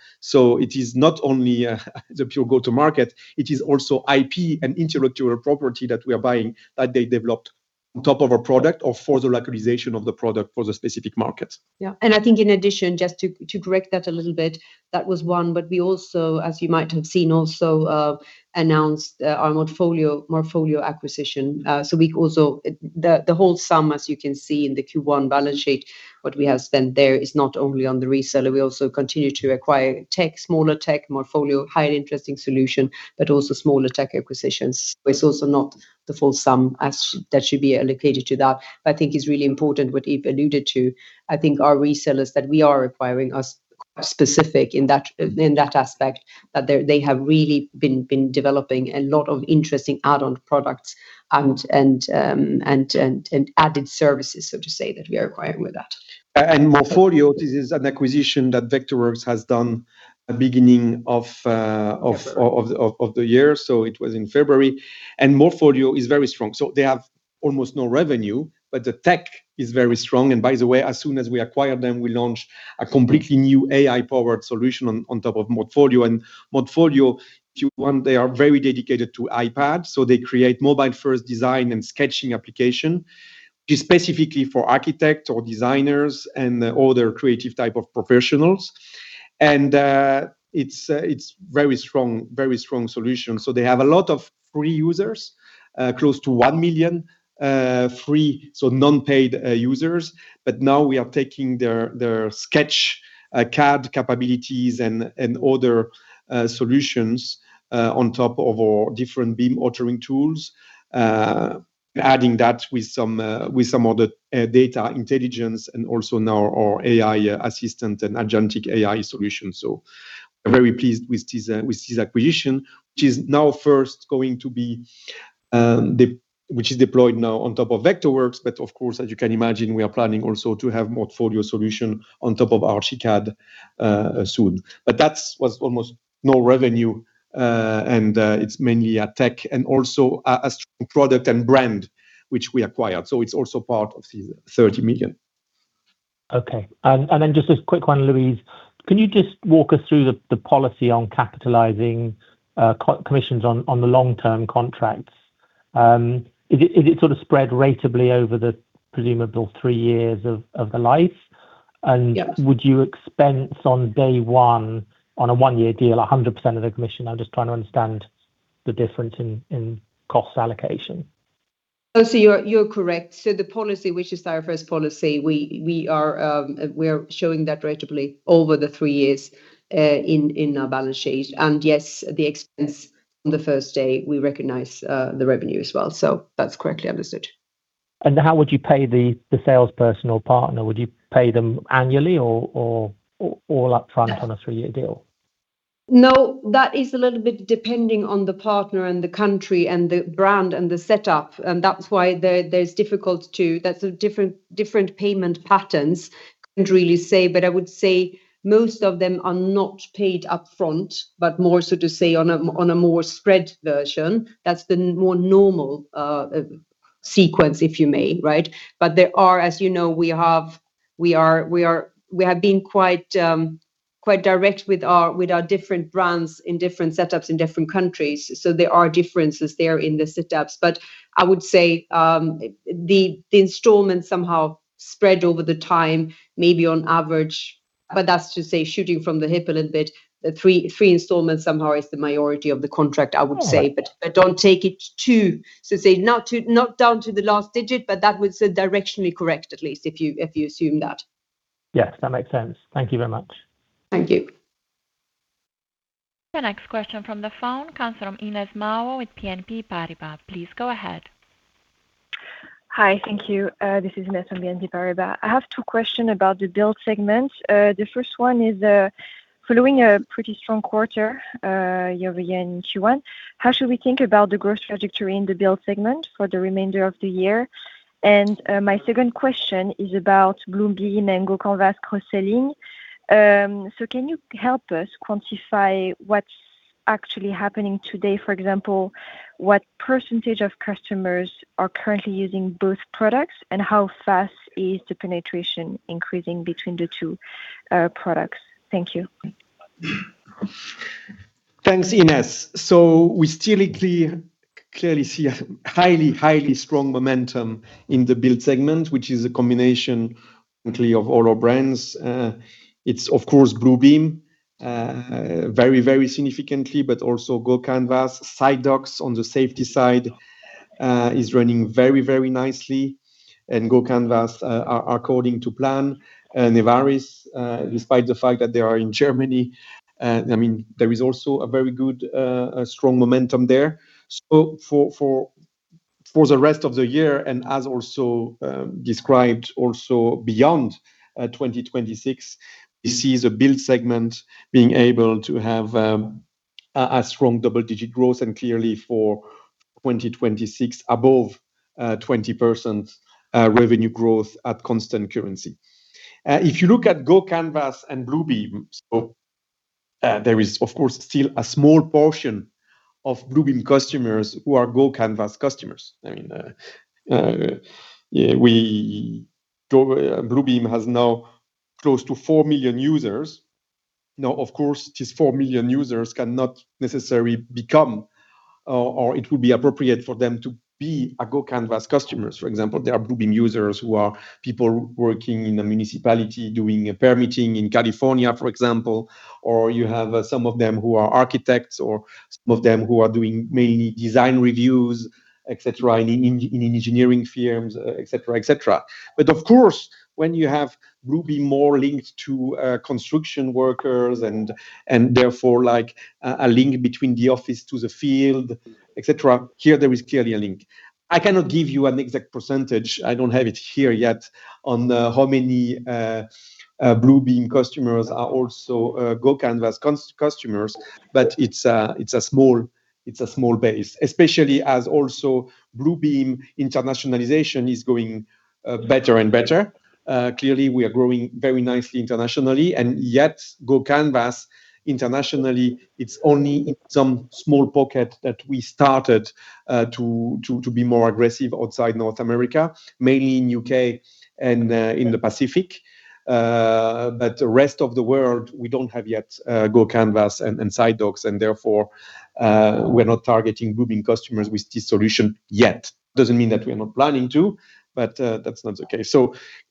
It is not only the pure go-to market, it is also IP and intellectual property that we are buying that they developed on top of a product or for the localization of the product for the specific markets. Yeah. I think in addition, just to correct that a little bit, that was one. We also, as you might have seen also, announced our Morpholio acquisition. The whole sum, as you can see in the Q1 balance sheet, what we have spent there is not only on the reseller. We also continue to acquire tech, smaller tech, Morpholio, highly interesting solution, but also smaller tech acquisitions. It's also not the full sum as, that should be allocated to that. I think it's really important what Yves alluded to. I think our resellers that we are acquiring are specific in that, in that aspect, that they're, they have really been developing a lot of interesting add-on products and added services, so to say, that we are acquiring with that. Morpholio, this is an acquisition that Vectorworks has done at beginning of the year, so it was in February. Morpholio is very strong. They have almost no revenue, but the tech is very strong. By the way, as soon as we acquired them, we launched a completely new AI-powered solution on top of Morpholio. Morpholio, Q1, they are very dedicated to iPad, so they create mobile-first design and sketching application specifically for architect or designers and other creative type of professionals. It's a very strong, very strong solution. They have a lot of free users, close to 1 million free, so non-paid, users. Now we are taking their SketchUp CAD capabilities and other solutions on top of our different BIM authoring tools, adding that with some other data intelligence and also now our AI assistant and agentic AI solution. I'm very pleased with this acquisition, which is now first going to be deployed now on top of Vectorworks. Of course, as you can imagine, we are planning also to have Morpholio solution on top of Archicad soon. That's, was almost no revenue and it's mainly a tech and also a strong product and brand which we acquired. It's also part of this 30 million. Okay. Then just this quick one, Louise. Can you just walk us through the policy on capitalizing commissions on the long-term contracts? Is it sort of spread ratably over the presumable three years of the life? Yes Would you expense on day one on a one year deal 100% of the commission? I'm just trying to understand the difference in cost allocation. You're correct. The policy, which is our first policy, we are showing that ratably over the three years, in our balance sheet. Yes, the expense on the first day, we recognize the revenue as well. That's correctly understood. How would you pay the sales personal partner? Would you pay them annually or all upfront? Yes On a three year deal? No, that is a little bit depending on the partner and the country and the brand and the setup. That's a different payment pattern, couldn't really say. I would say most of them are not paid upfront, but more so to say on a more spread version. That's the more normal sequence, if you may, right? There are, as you know, we have been quite direct with our different brands in different setups in different countries, so there are differences there in the setups. I would say the installment somehow spread over the time, maybe on average. That's to say, shooting from the hip a little bit, the three installments somehow is the majority of the contract, I would say. Oh, okay. Don't take it to, not down to the last digit, but that would say directionally correct at least if you assume that. Yes, that makes sense. Thank you very much. Thank you. The next question from the phone comes from Ines Mao with BNP Paribas. Please go ahead. Hi. Thank you. This is Ines from BNP Paribas. I have two question about the Build segment. The first one is, following a pretty strong quarter, year-over-year in Q1, how should we think about the growth trajectory in the Build segment for the remainder of the year? My second question is about Bluebeam and GoCanvas cross-selling. Can you help us quantify what's actually happening today? For example, what percentage of customers are currently using both products, and how fast is the penetration increasing between the two products? Thank you. Thanks, Ines Mao. We still clearly see a highly strong momentum in the Build segment, which is a combination really of all our brands. It's of course Bluebeam, very significantly, but also GoCanvas. SiteDocs on the safety side, is running very nicely, and GoCanvas are according to plan. NEVARIS, despite the fact that they are in Germany, I mean, there is also a very good strong momentum there. For the rest of the year, and as also described also beyond 2026, we see the Build segment being able to have a strong double-digit growth and clearly for 2026 above 20% revenue growth at constant currency. If you look at GoCanvas and Bluebeam, there is of course still a small portion of Bluebeam customers who are GoCanvas customers. I mean, Bluebeam has now close to 4 million users. Of course, these 4 million users cannot necessarily become, or it would be appropriate for them to be a GoCanvas customers. For example, there are Bluebeam users who are people working in the municipality doing a permitting in California, for example, or you have some of them who are architects or some of them who are doing mainly design reviews, et cetera, in engineering firms, et cetera, et cetera. Of course, when you have Bluebeam more linked to construction workers and therefore like a link between the office to the field, et cetera, here there is clearly a link. I cannot give you an exact percentage, I don't have it here yet, on how many Bluebeam customers are also GoCanvas customers, it's a small base. Especially as Bluebeam internationalization is going better and better. Clearly we are growing very nicely internationally, and yet GoCanvas internationally, it's only in some small pocket that we started to be more aggressive outside North America, mainly in U.K. and in the Pacific. The rest of the world, we don't have yet GoCanvas and SiteDocs and therefore, we're not targeting Bluebeam customers with this solution yet. Doesn't mean that we are not planning to, but that's not the case.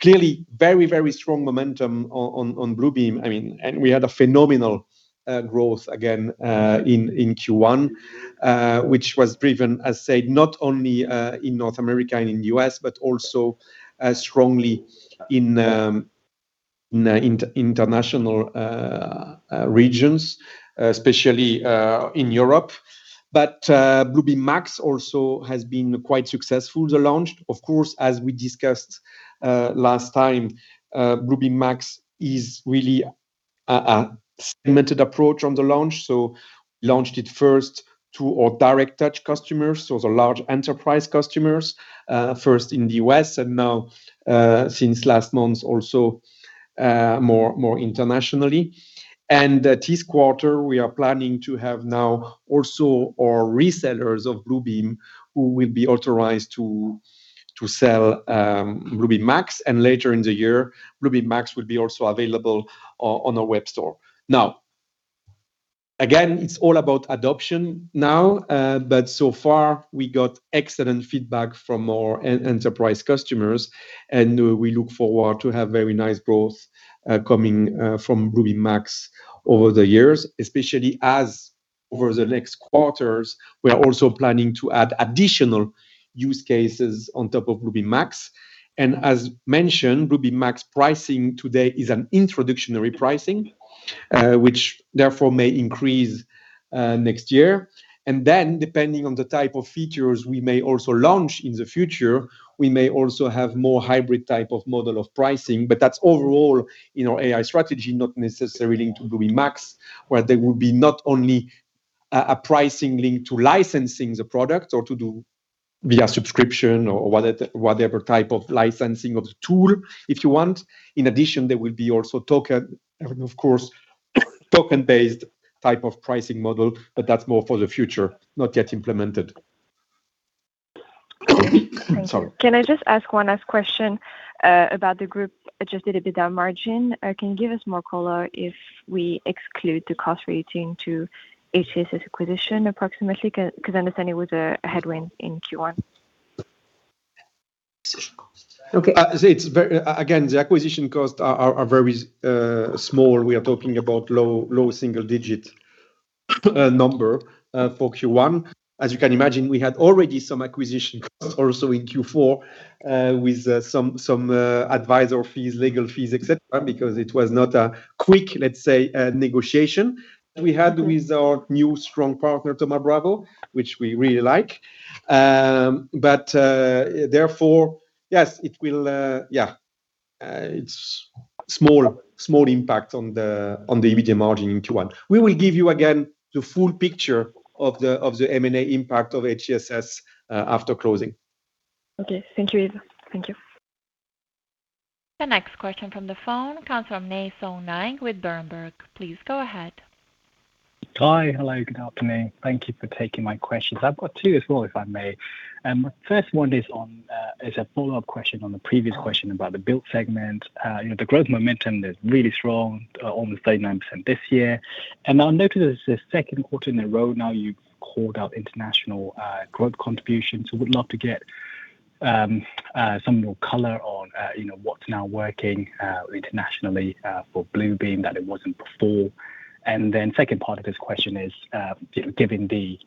Clearly, very strong momentum on Bluebeam. I mean, we had a phenomenal growth again in Q1, which was driven, as said, not only in North America and in U.S., but also strongly in international regions, especially in Europe. Bluebeam Max also has been quite successful, the launch. Of course, as we discussed last time, Bluebeam Max is really a segmented approach on the launch. Launched it first to our direct touch customers, so the large enterprise customers, first in the U.S. and now since last month also more internationally. This quarter, we are planning to have now also our resellers of Bluebeam who will be authorized to sell Bluebeam Max. Later in the year, Bluebeam Max will be also available on the web store. Again, it's all about adoption now. So far we got excellent feedback from our enterprise customers. We look forward to have very nice growth coming from Bluebeam Max over the years, especially as over the next quarters, we are also planning to add additional use cases on top of Bluebeam Max. As mentioned, Bluebeam Max pricing today is an introductory pricing, which therefore may increase next year. Depending on the type of features we may also launch in the future, we may also have more hybrid type of model of pricing. That's overall, you know, AI strategy, not necessarily linked to Bluebeam Max, where there will be not only a pricing link to licensing the product or to do via subscription or whatever type of licensing of the tool if you want. In addition, there will be also token, of course, token-based type of pricing model, but that is more for the future, not yet implemented. Sorry. Can I just ask first last question about the group adjusted EBITDA margin? Can you give us more color if we exclude the cost relating to HCSS acquisition approximately? I understand it was a headwind in Q1. Okay. It's very again, the acquisition costs are very small. We are talking about low single digit number for Q1. As you can imagine, we had already some acquisition costs also in Q4 with some advisor fees, legal fees, et cetera, because it was not a quick, let's say, negotiation we had with our new strong partner, Thoma Bravo, which we really like. Therefore, yes, it will, it's small impact on the EBITDA margin in Q1. We will give you again the full picture of the M&A impact of HCSS after closing. Okay. Thank you, Yves. Thank you. The next question from the phone comes from Nay Soe Naing with Berenberg. Please go ahead. Hi. Hello, good afternoon. Thank you for taking my questions. I've got two as well, if I may. First one is on, is a follow-up question on the previous question about the Build segment. You know, the growth momentum is really strong, almost 39% this year. I noticed it's the second quarter in a row now you've called out international growth contribution. Would love to get some more color on, you know, what's now working internationally for Bluebeam that it wasn't before. Second part of this question is, you know, given the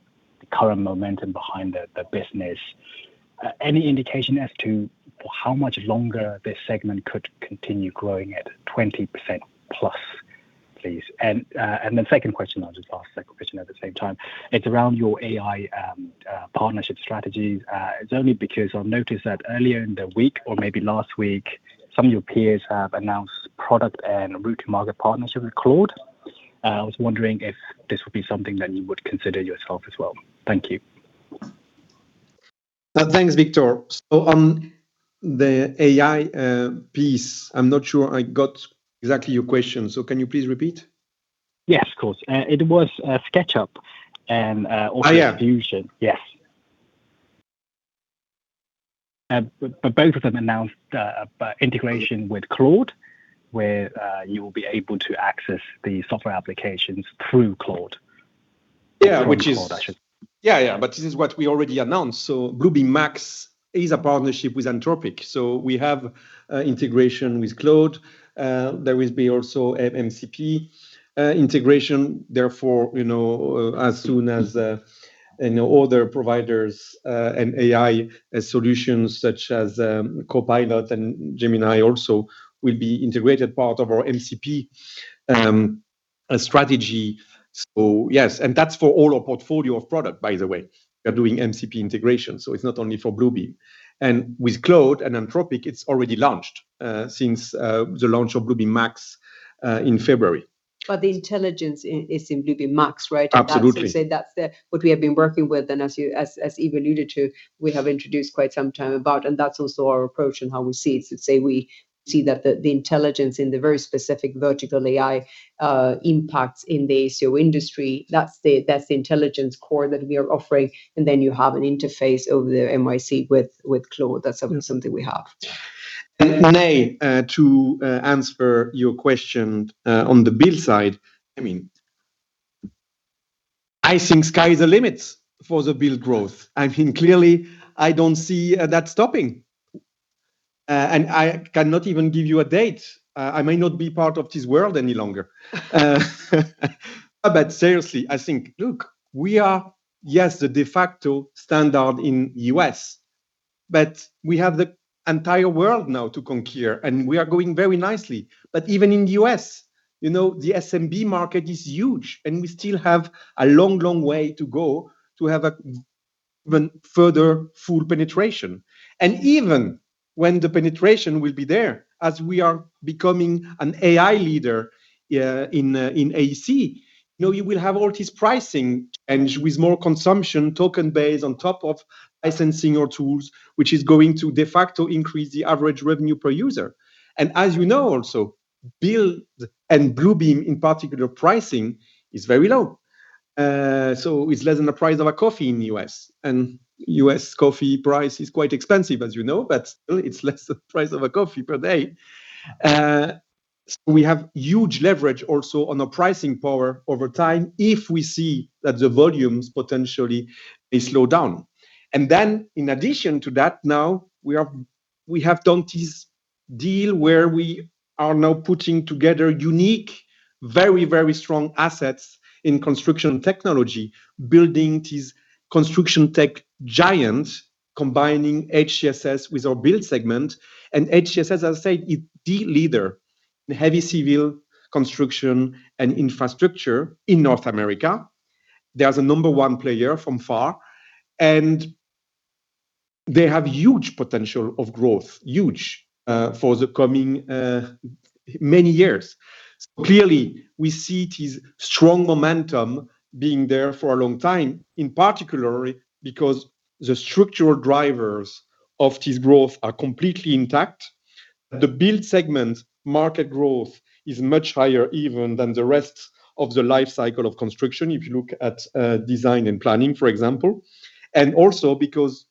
current momentum behind the business, any indication as to how much longer this segment could continue growing at 20% plus, please? I'll just ask the second question at the same time. It's around your AI partnership strategy. It's only because I've noticed that earlier in the week or maybe last week, some of your peers have announced product and route to market partnership with Claude. I was wondering if this would be something that you would consider yourself as well. Thank you. Thanks, Victor. On the AI piece, I'm not sure I got exactly your question. Can you please repeat? Yes, of course. It was SketchUp and also Fusion. Oh, yeah. Yes. But both of them announced integration with Claude, where you will be able to access the software applications through Claude. Yeah. On Claude, I should say. Yeah, yeah. This is what we already announced. Bluebeam Max is a partnership with Anthropic. We have integration with Claude. There will be also an MCP integration. Therefore, you know, as soon as, you know, other providers and AI solutions such as Copilot and Gemini also will be integrated part of our MCP strategy. Yes, and that's for all our portfolio of product, by the way. We are doing MCP integration, it's not only for Bluebeam. With Claude and Anthropic, it's already launched since the launch of Bluebeam Max in February. The intelligence is in Bluebeam Max, right? Absolutely. As I said, that's what we have been working with. As Yves alluded to, we have introduced quite some time about, and that's also our approach and how we see it. Let's say we see that the intelligence in the very specific vertical AI impacts in the AECO industry. That's the intelligence core that we are offering. Then you have an interface over the MCP with Claude. That's something we have. Nay Soe Naing, to answer your question, on the build side, I mean, I think sky's the limit for the build growth. I mean, clearly, I don't see that stopping. I cannot even give you a date. I may not be part of this world any longer. Seriously, I think, look, we are, yes, the de facto standard in the U.S., but we have the entire world now to conquer, and we are going very nicely. Even in the U.S., you know, the SMB market is huge, and we still have a long, long way to go to have a even further full penetration. Even when the penetration will be there, as we are becoming an AI leader in AECO, you know, you will have all this pricing and with more consumption, token base on top of licensing your tools, which is going to de facto increase the average revenue per user. As you know also, build and Bluebeam, in particular, pricing is very low. It's less than the price of a coffee in the U.S. U.S. coffee price is quite expensive, as you know, but still it's less the price of a coffee per day. We have huge leverage also on the pricing power over time if we see that the volumes potentially, they slow down. In addition to that, now we have done this deal where we are now putting together unique, very, very strong assets in construction technology, building this construction tech giant, combining HCSS with our Build segment. HCSS, as I said, is the leader in heavy civil construction and infrastructure in North America. They are the number one player from far, and they have huge potential of growth, huge, for the coming many years. Clearly, we see this strong momentum being there for a long time, in particular because the structural drivers of this growth are completely intact. The Build segment market growth is much higher even than the rest of the life cycle of construction, if you look at design and planning, for example. Because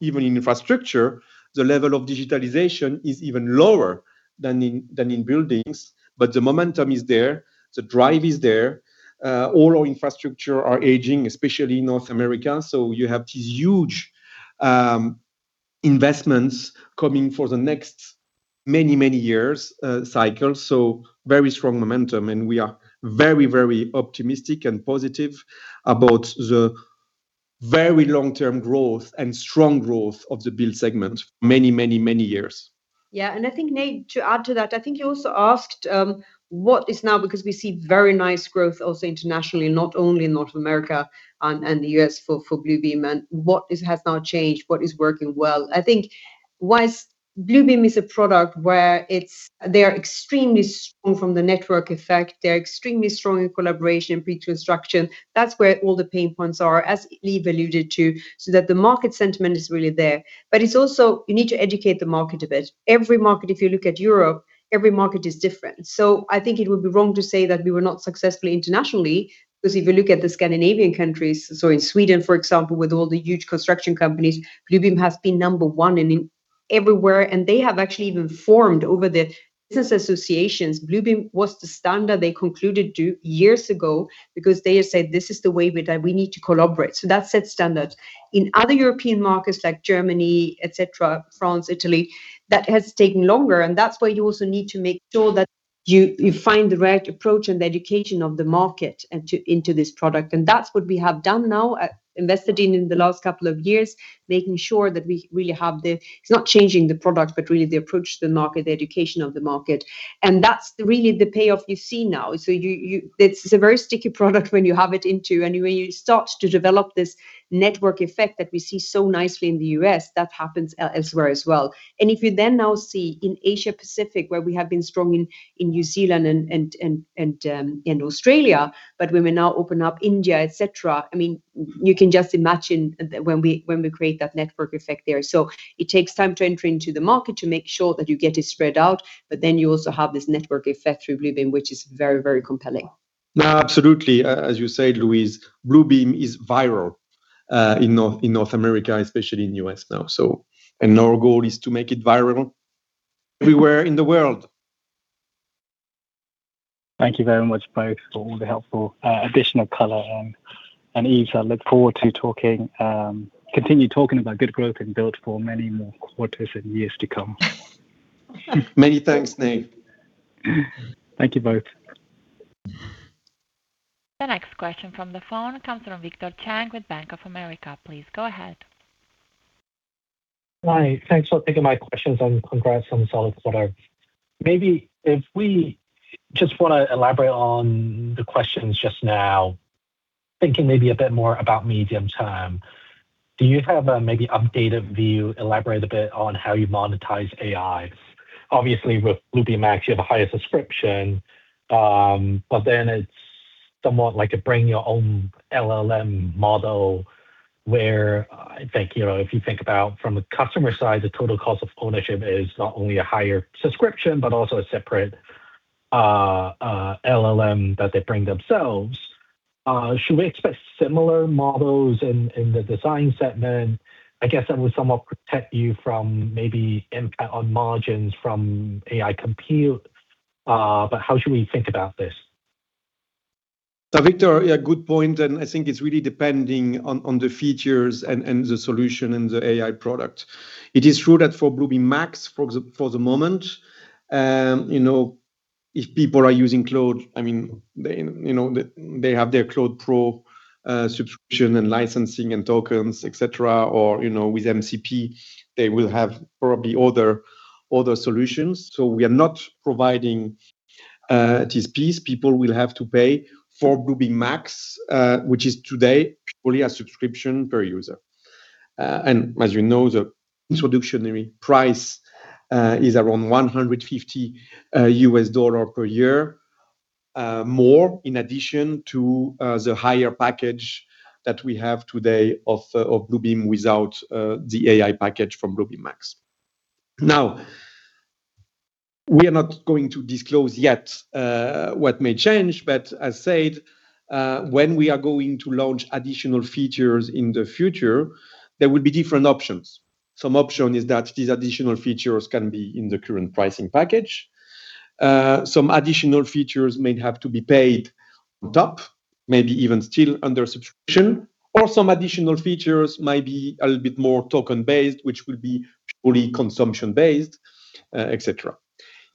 even in infrastructure, the level of digitalization is even lower than in buildings. The momentum is there. The drive is there. All our infrastructure are aging, especially North America. You have these huge investments coming for the next many, many years cycle. Very strong momentum, and we are very, very optimistic and positive about the very long-term growth and strong growth of the Build segment for many, many, many years. Yeah. I think, Nay Soe Naing, to add to that, I think you also asked, what is now because we see very nice growth also internationally, not only in North America and the U.S. for Bluebeam, and what has now changed? What is working well? I think whilst Bluebeam is a product where they are extremely strong from the network effect, they are extremely strong in collaboration, pre-construction. That's where all the pain points are, as Yves Padrines alluded to, so that the market sentiment is really there. It's also you need to educate the market a bit. Every market, if you look at Europe, every market is different. I think it would be wrong to say that we were not successful internationally, because if you look at the Scandinavian countries, in Sweden, for example, with all the huge construction companies, Bluebeam has been number one in-Everywhere, and they have actually even formed over the business associations. Bluebeam was the standard they concluded two years ago because they said this is the way we need to collaborate. That set standards. In other European markets like Germany, et cetera, France, Italy, that has taken longer, and that's why you also need to make sure that you find the right approach and the education of the market and into this product. That's what we have done now, invested in the last couple of years, making sure that we really have. It's not changing the product, but really the approach to the market, the education of the market. That's really the payoff you see now. It's a very sticky product when you have it into, and when you start to develop this network effect that we see so nicely in the U.S., that happens elsewhere as well. If you then now see in Asia Pacific, where we have been strong in New Zealand and Australia, but we may now open up India, et cetera, I mean, you can just imagine when we create that network effect there. It takes time to enter into the market to make sure that you get it spread out. You also have this network effect through Bluebeam, which is very, very compelling. No, absolutely. As you said, Louise, Bluebeam is viral in North America, especially in the U.S. now. Our goal is to make it viral everywhere in the world. Thank you very much both for all the helpful, additional color. Yves, I look forward to talking, continue talking about good growth in Build for many more quarters and years to come. Many thanks, Nay Soe Naing. Thank you both. The next question from the phone comes from Victor Cheng with Bank of America. Please go ahead. Hi. Thanks for taking my questions and congrats on the solid quarter. If we just wanna elaborate on the questions just now, thinking a bit more about medium term, do you have an updated view, elaborate a bit on how you monetize AI? Obviously, with Bluebeam Max, you have a higher subscription, it's somewhat like a bring your own LLM model where, I think, you know, if you think about from the customer side, the total cost of ownership is not only a higher subscription, but also a separate LLM that they bring themselves. Should we expect similar models in the Design segment? I guess that would somewhat protect you from impact on margins from AI compute. How should we think about this? Victor, yeah, good point, and I think it's really depending on the features and the solution and the AI product. It is true that for Bluebeam Max, for the moment, you know, if people are using Claude, I mean, they, you know, they have their Claude Pro subscription and licensing and tokens, et cetera, or, you know, with MCP, they will have probably other solutions. We are not providing at this point. People will have to pay for Bluebeam Max, which is today purely a subscription per user. As you know, the introductory price is around $150 per year, more in addition to the higher package that we have today of Bluebeam without the AI package from Bluebeam Max. We are not going to disclose yet what may change, but as said, when we are going to launch additional features in the future, there will be different options. Some option is that these additional features can be in the current pricing package. Some additional features may have to be paid on top, maybe even still under subscription, or some additional features might be a little bit more token-based, which will be purely consumption-based, et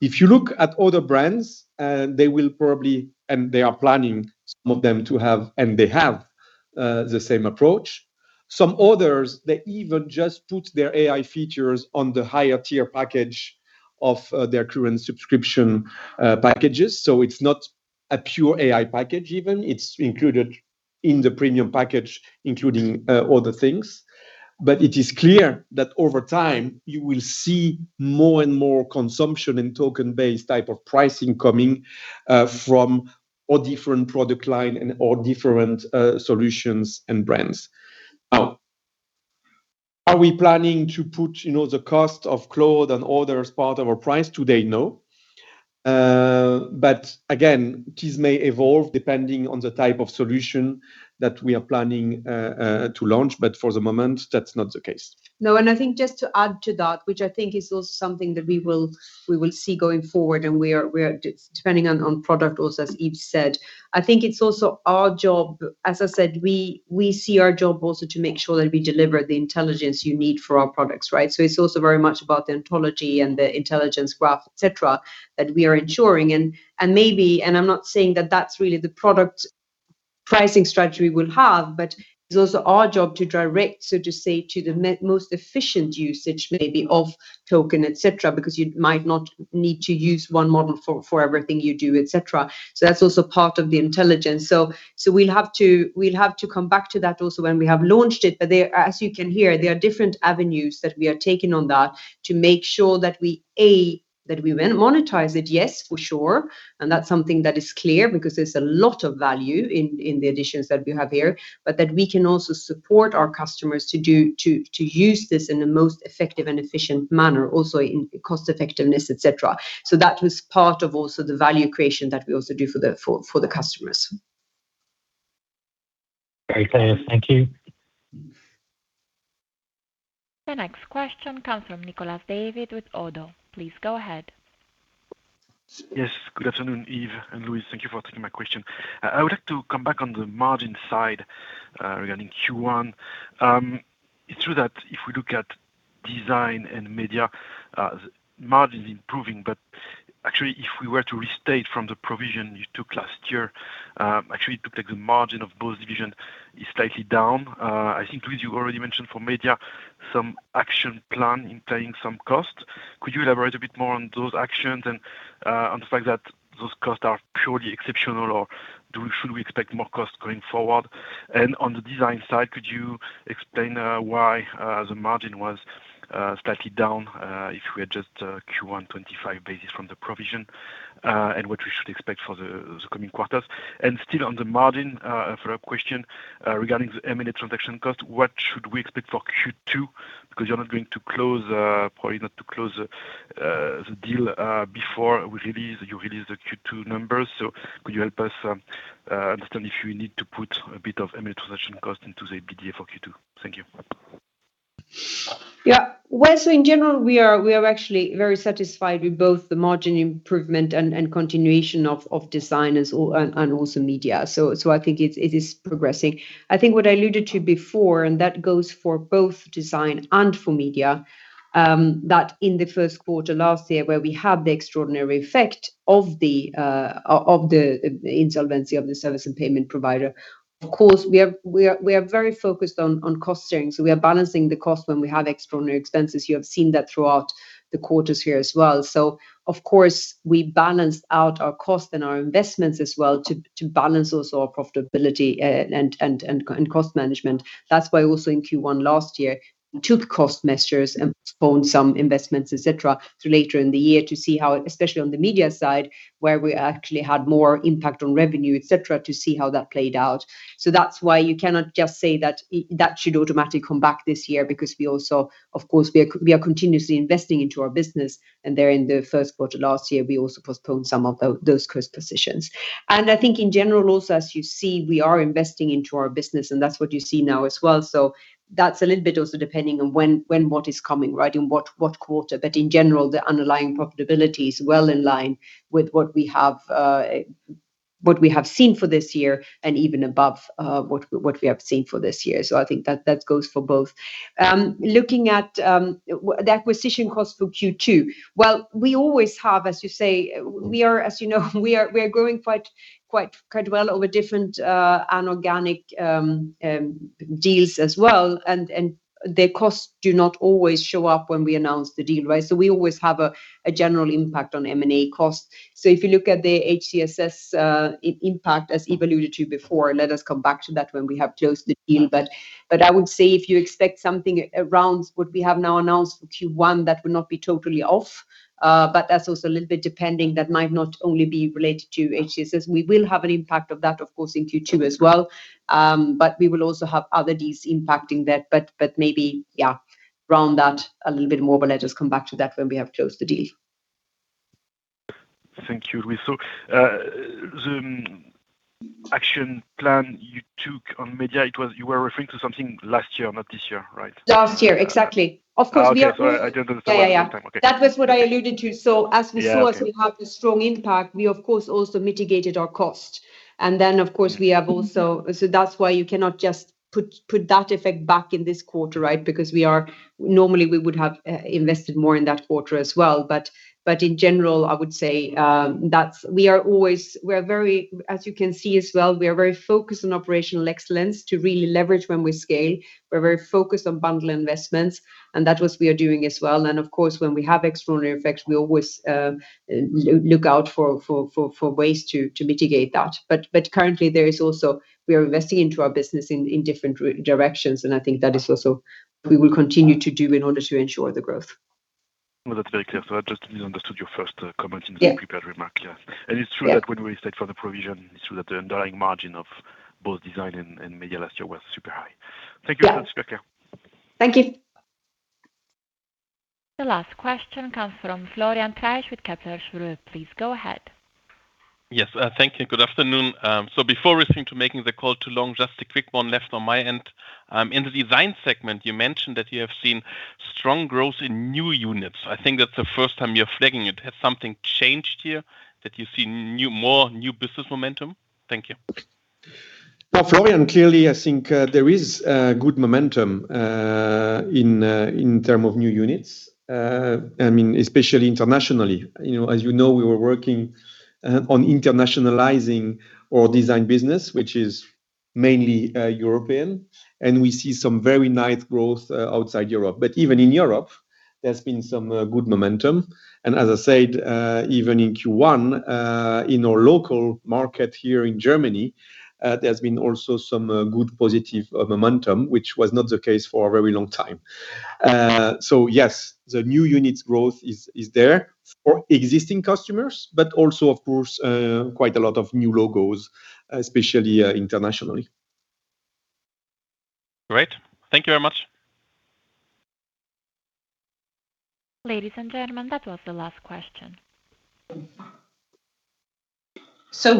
cetera. If you look at other brands, they will probably, and they are planning some of them to have, and they have, the same approach. Some others, they even just put their AI features on the higher tier package of their current subscription packages. It's not a pure AI package even. It's included in the premium package, including other things. It is clear that over time, you will see more and more consumption and token-based type of pricing coming from all different product line and all different solutions and brands. Are we planning to put, you know, the cost of Claude and others part of our price today? No. Again, this may evolve depending on the type of solution that we are planning to launch, but for the moment, that's not the case. No, I think just to add to that, which I think is also something that we will see going forward, and we are depending on product also, as Yves said, I think it's also our job. As I said, we see our job also to make sure that we deliver the intelligence you need for our products, right? It's also very much about the ontology and the intelligence graph, et cetera, that we are ensuring. Maybe, I'm not saying that that's really the product pricing strategy we'll have, but it's also our job to direct, so to say, to the most efficient usage maybe of token, et cetera, because you might not need to use one model for everything you do, et cetera. That's also part of the intelligence. We'll have to come back to that also when we have launched it. There, as you can hear, there are different avenues that we are taking on that to make sure that we, A, that we will monetize it, yes, for sure. That's something that is clear because there's a lot of value in the additions that we have here. That we can also support our customers to use this in the most effective and efficient manner, also in cost effectiveness, et cetera. That was part of also the value creation that we also do for the customers. Very clear. Thank you. The next question comes from Nicolas David with ODDO. Please go ahead. Yes. Good afternoon, Yves and Louise. Thank you for taking my question. I would like to come back on the margin side regarding Q1. It's true that if we look at Design and Media, margin is improving, but actually if we were to restate from the provision you took last year, actually it looks like the margin of both division is slightly down. I think, Louise, you already mentioned for Media some action plan implying some cost. Could you elaborate a bit more on those actions and on the fact that those costs are purely exceptional, or should we expect more costs going forward? On the Design side, could you explain why the margin was slightly down if we adjust Q1 25 basis from the provision, and what we should expect for the coming quarters? Still on the margin, for a question regarding the M&A transaction cost, what should we expect for Q2? You're not going to close, probably not to close, the deal before you release the Q2 numbers. Could you help us understand if you need to put a bit of M&A transaction cost into the PDF for Q2? Thank you. In general, we are actually very satisfied with both the margin improvement and continuation of design and also media. I think it is progressing. I think what I alluded to before, and that goes for both design and for media, that in the first quarter last year where we had the extraordinary effect of the insolvency of the service and payment provider, of course we are very focused on cost sharing. We are balancing the cost when we have extraordinary expenses. You have seen that throughout the quarters here as well. Of course, we balance out our cost and our investments as well to balance also our profitability and cost management. That's why also in Q1 last year, we took cost measures and postponed some investments, et cetera, to later in the year to see how, especially on the media side, where we actually had more impact on revenue, et cetera, to see how that played out. That's why you cannot just say that that should automatically come back this year because we also, of course, we are continuously investing into our business, and there in the first quarter last year, we also postponed some of those cost positions. I think in general also, as you see, we are investing into our business, and that's what you see now as well. That's a little bit also depending on when what is coming, right? In what quarter. In general, the underlying profitability is well in line with what we have seen for this year and even above what we have seen for this year. I think that goes for both. Looking at the acquisition cost for Q2. We always have, as you say, we are, as you know, we are growing quite well over different anorganic deals as well. The costs do not always show up when we announce the deal, right? We always have a general impact on M&A costs. If you look at the HCSS impact, as Yves alluded to before, let us come back to that when we have closed the deal. I would say if you expect something around what we have now announced for Q1, that would not be totally off. That's also a little bit depending. That might not only be related to HCSS. We will have an impact of that, of course, in Q2 as well. We will also have other deals impacting that. Maybe, yeah, around that a little bit more, but let us come back to that when we have closed the deal. Thank you, Louise. The action plan you took on media, you were referring to something last year, not this year, right? Last year, exactly. Of course, Oh, okay. I don't understand what you're talking. Okay. Yeah, yeah. That was what I alluded to. Yeah, okay. As we saw, we have the strong impact. We of course also mitigated our cost. Of course we have also. That's why you cannot just put that effect back in this quarter, right? Because normally we would have invested more in that quarter as well. In general, I would say, we are always very, as you can see as well, focused on operational excellence to really leverage when we scale. We're very focused on bundle investments, and that's what we are doing as well. Of course, when we have extraordinary effects, we always look out for ways to mitigate that. Currently, we are investing into our business in different directions, and I think that is also we will continue to do in order to ensure the growth. Well, that's very clear. I just misunderstood your first comment in the prepared remark. Yeah. Yeah. It's true that when we restate for the provision, it's true that the underlying margin of both design and media last year was super high. Yeah. Thank you. Take care. Thank you. The last question comes from Florian Treisch with Kepler Cheuvreux. Please go ahead. Yes. Thank you. Good afternoon. Before we seem to making the call too long, just a quick one left on my end. In the Design segment, you mentioned that you have seen strong growth in new units. I think that's the first time you're flagging it. Has something changed here that you see more new business momentum? Thank you. Well, Florian, clearly, I think, there is good momentum in term of new units. I mean, especially internationally. You know, as you know, we were working on internationalizing our Design business, which is mainly European, and we see some very nice growth outside Europe. Even in Europe, there's been some good momentum. As I said, even in Q1, in our local market here in Germany, there's been also some good positive momentum, which was not the case for a very long time. Yes, the new units growth is there for existing customers, but also of course, quite a lot of new logos, especially internationally. Great. Thank you very much. Ladies and gentlemen, that was the last question.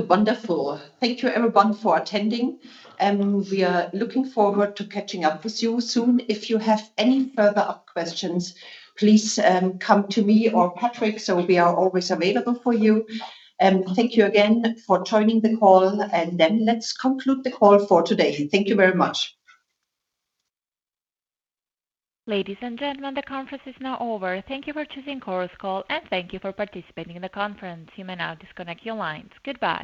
Wonderful. Thank you everyone for attending, and we are looking forward to catching up with you soon. If you have any further questions, please come to me or Patrick. We are always available for you. Thank you again for joining the call, and then let's conclude the call for today. Thank you very much. Ladies and gentlemen, the conference is now over. Thank you for choosing Chorus Call, and thank you for participating in the conference. You may now disconnect your lines. Goodbye.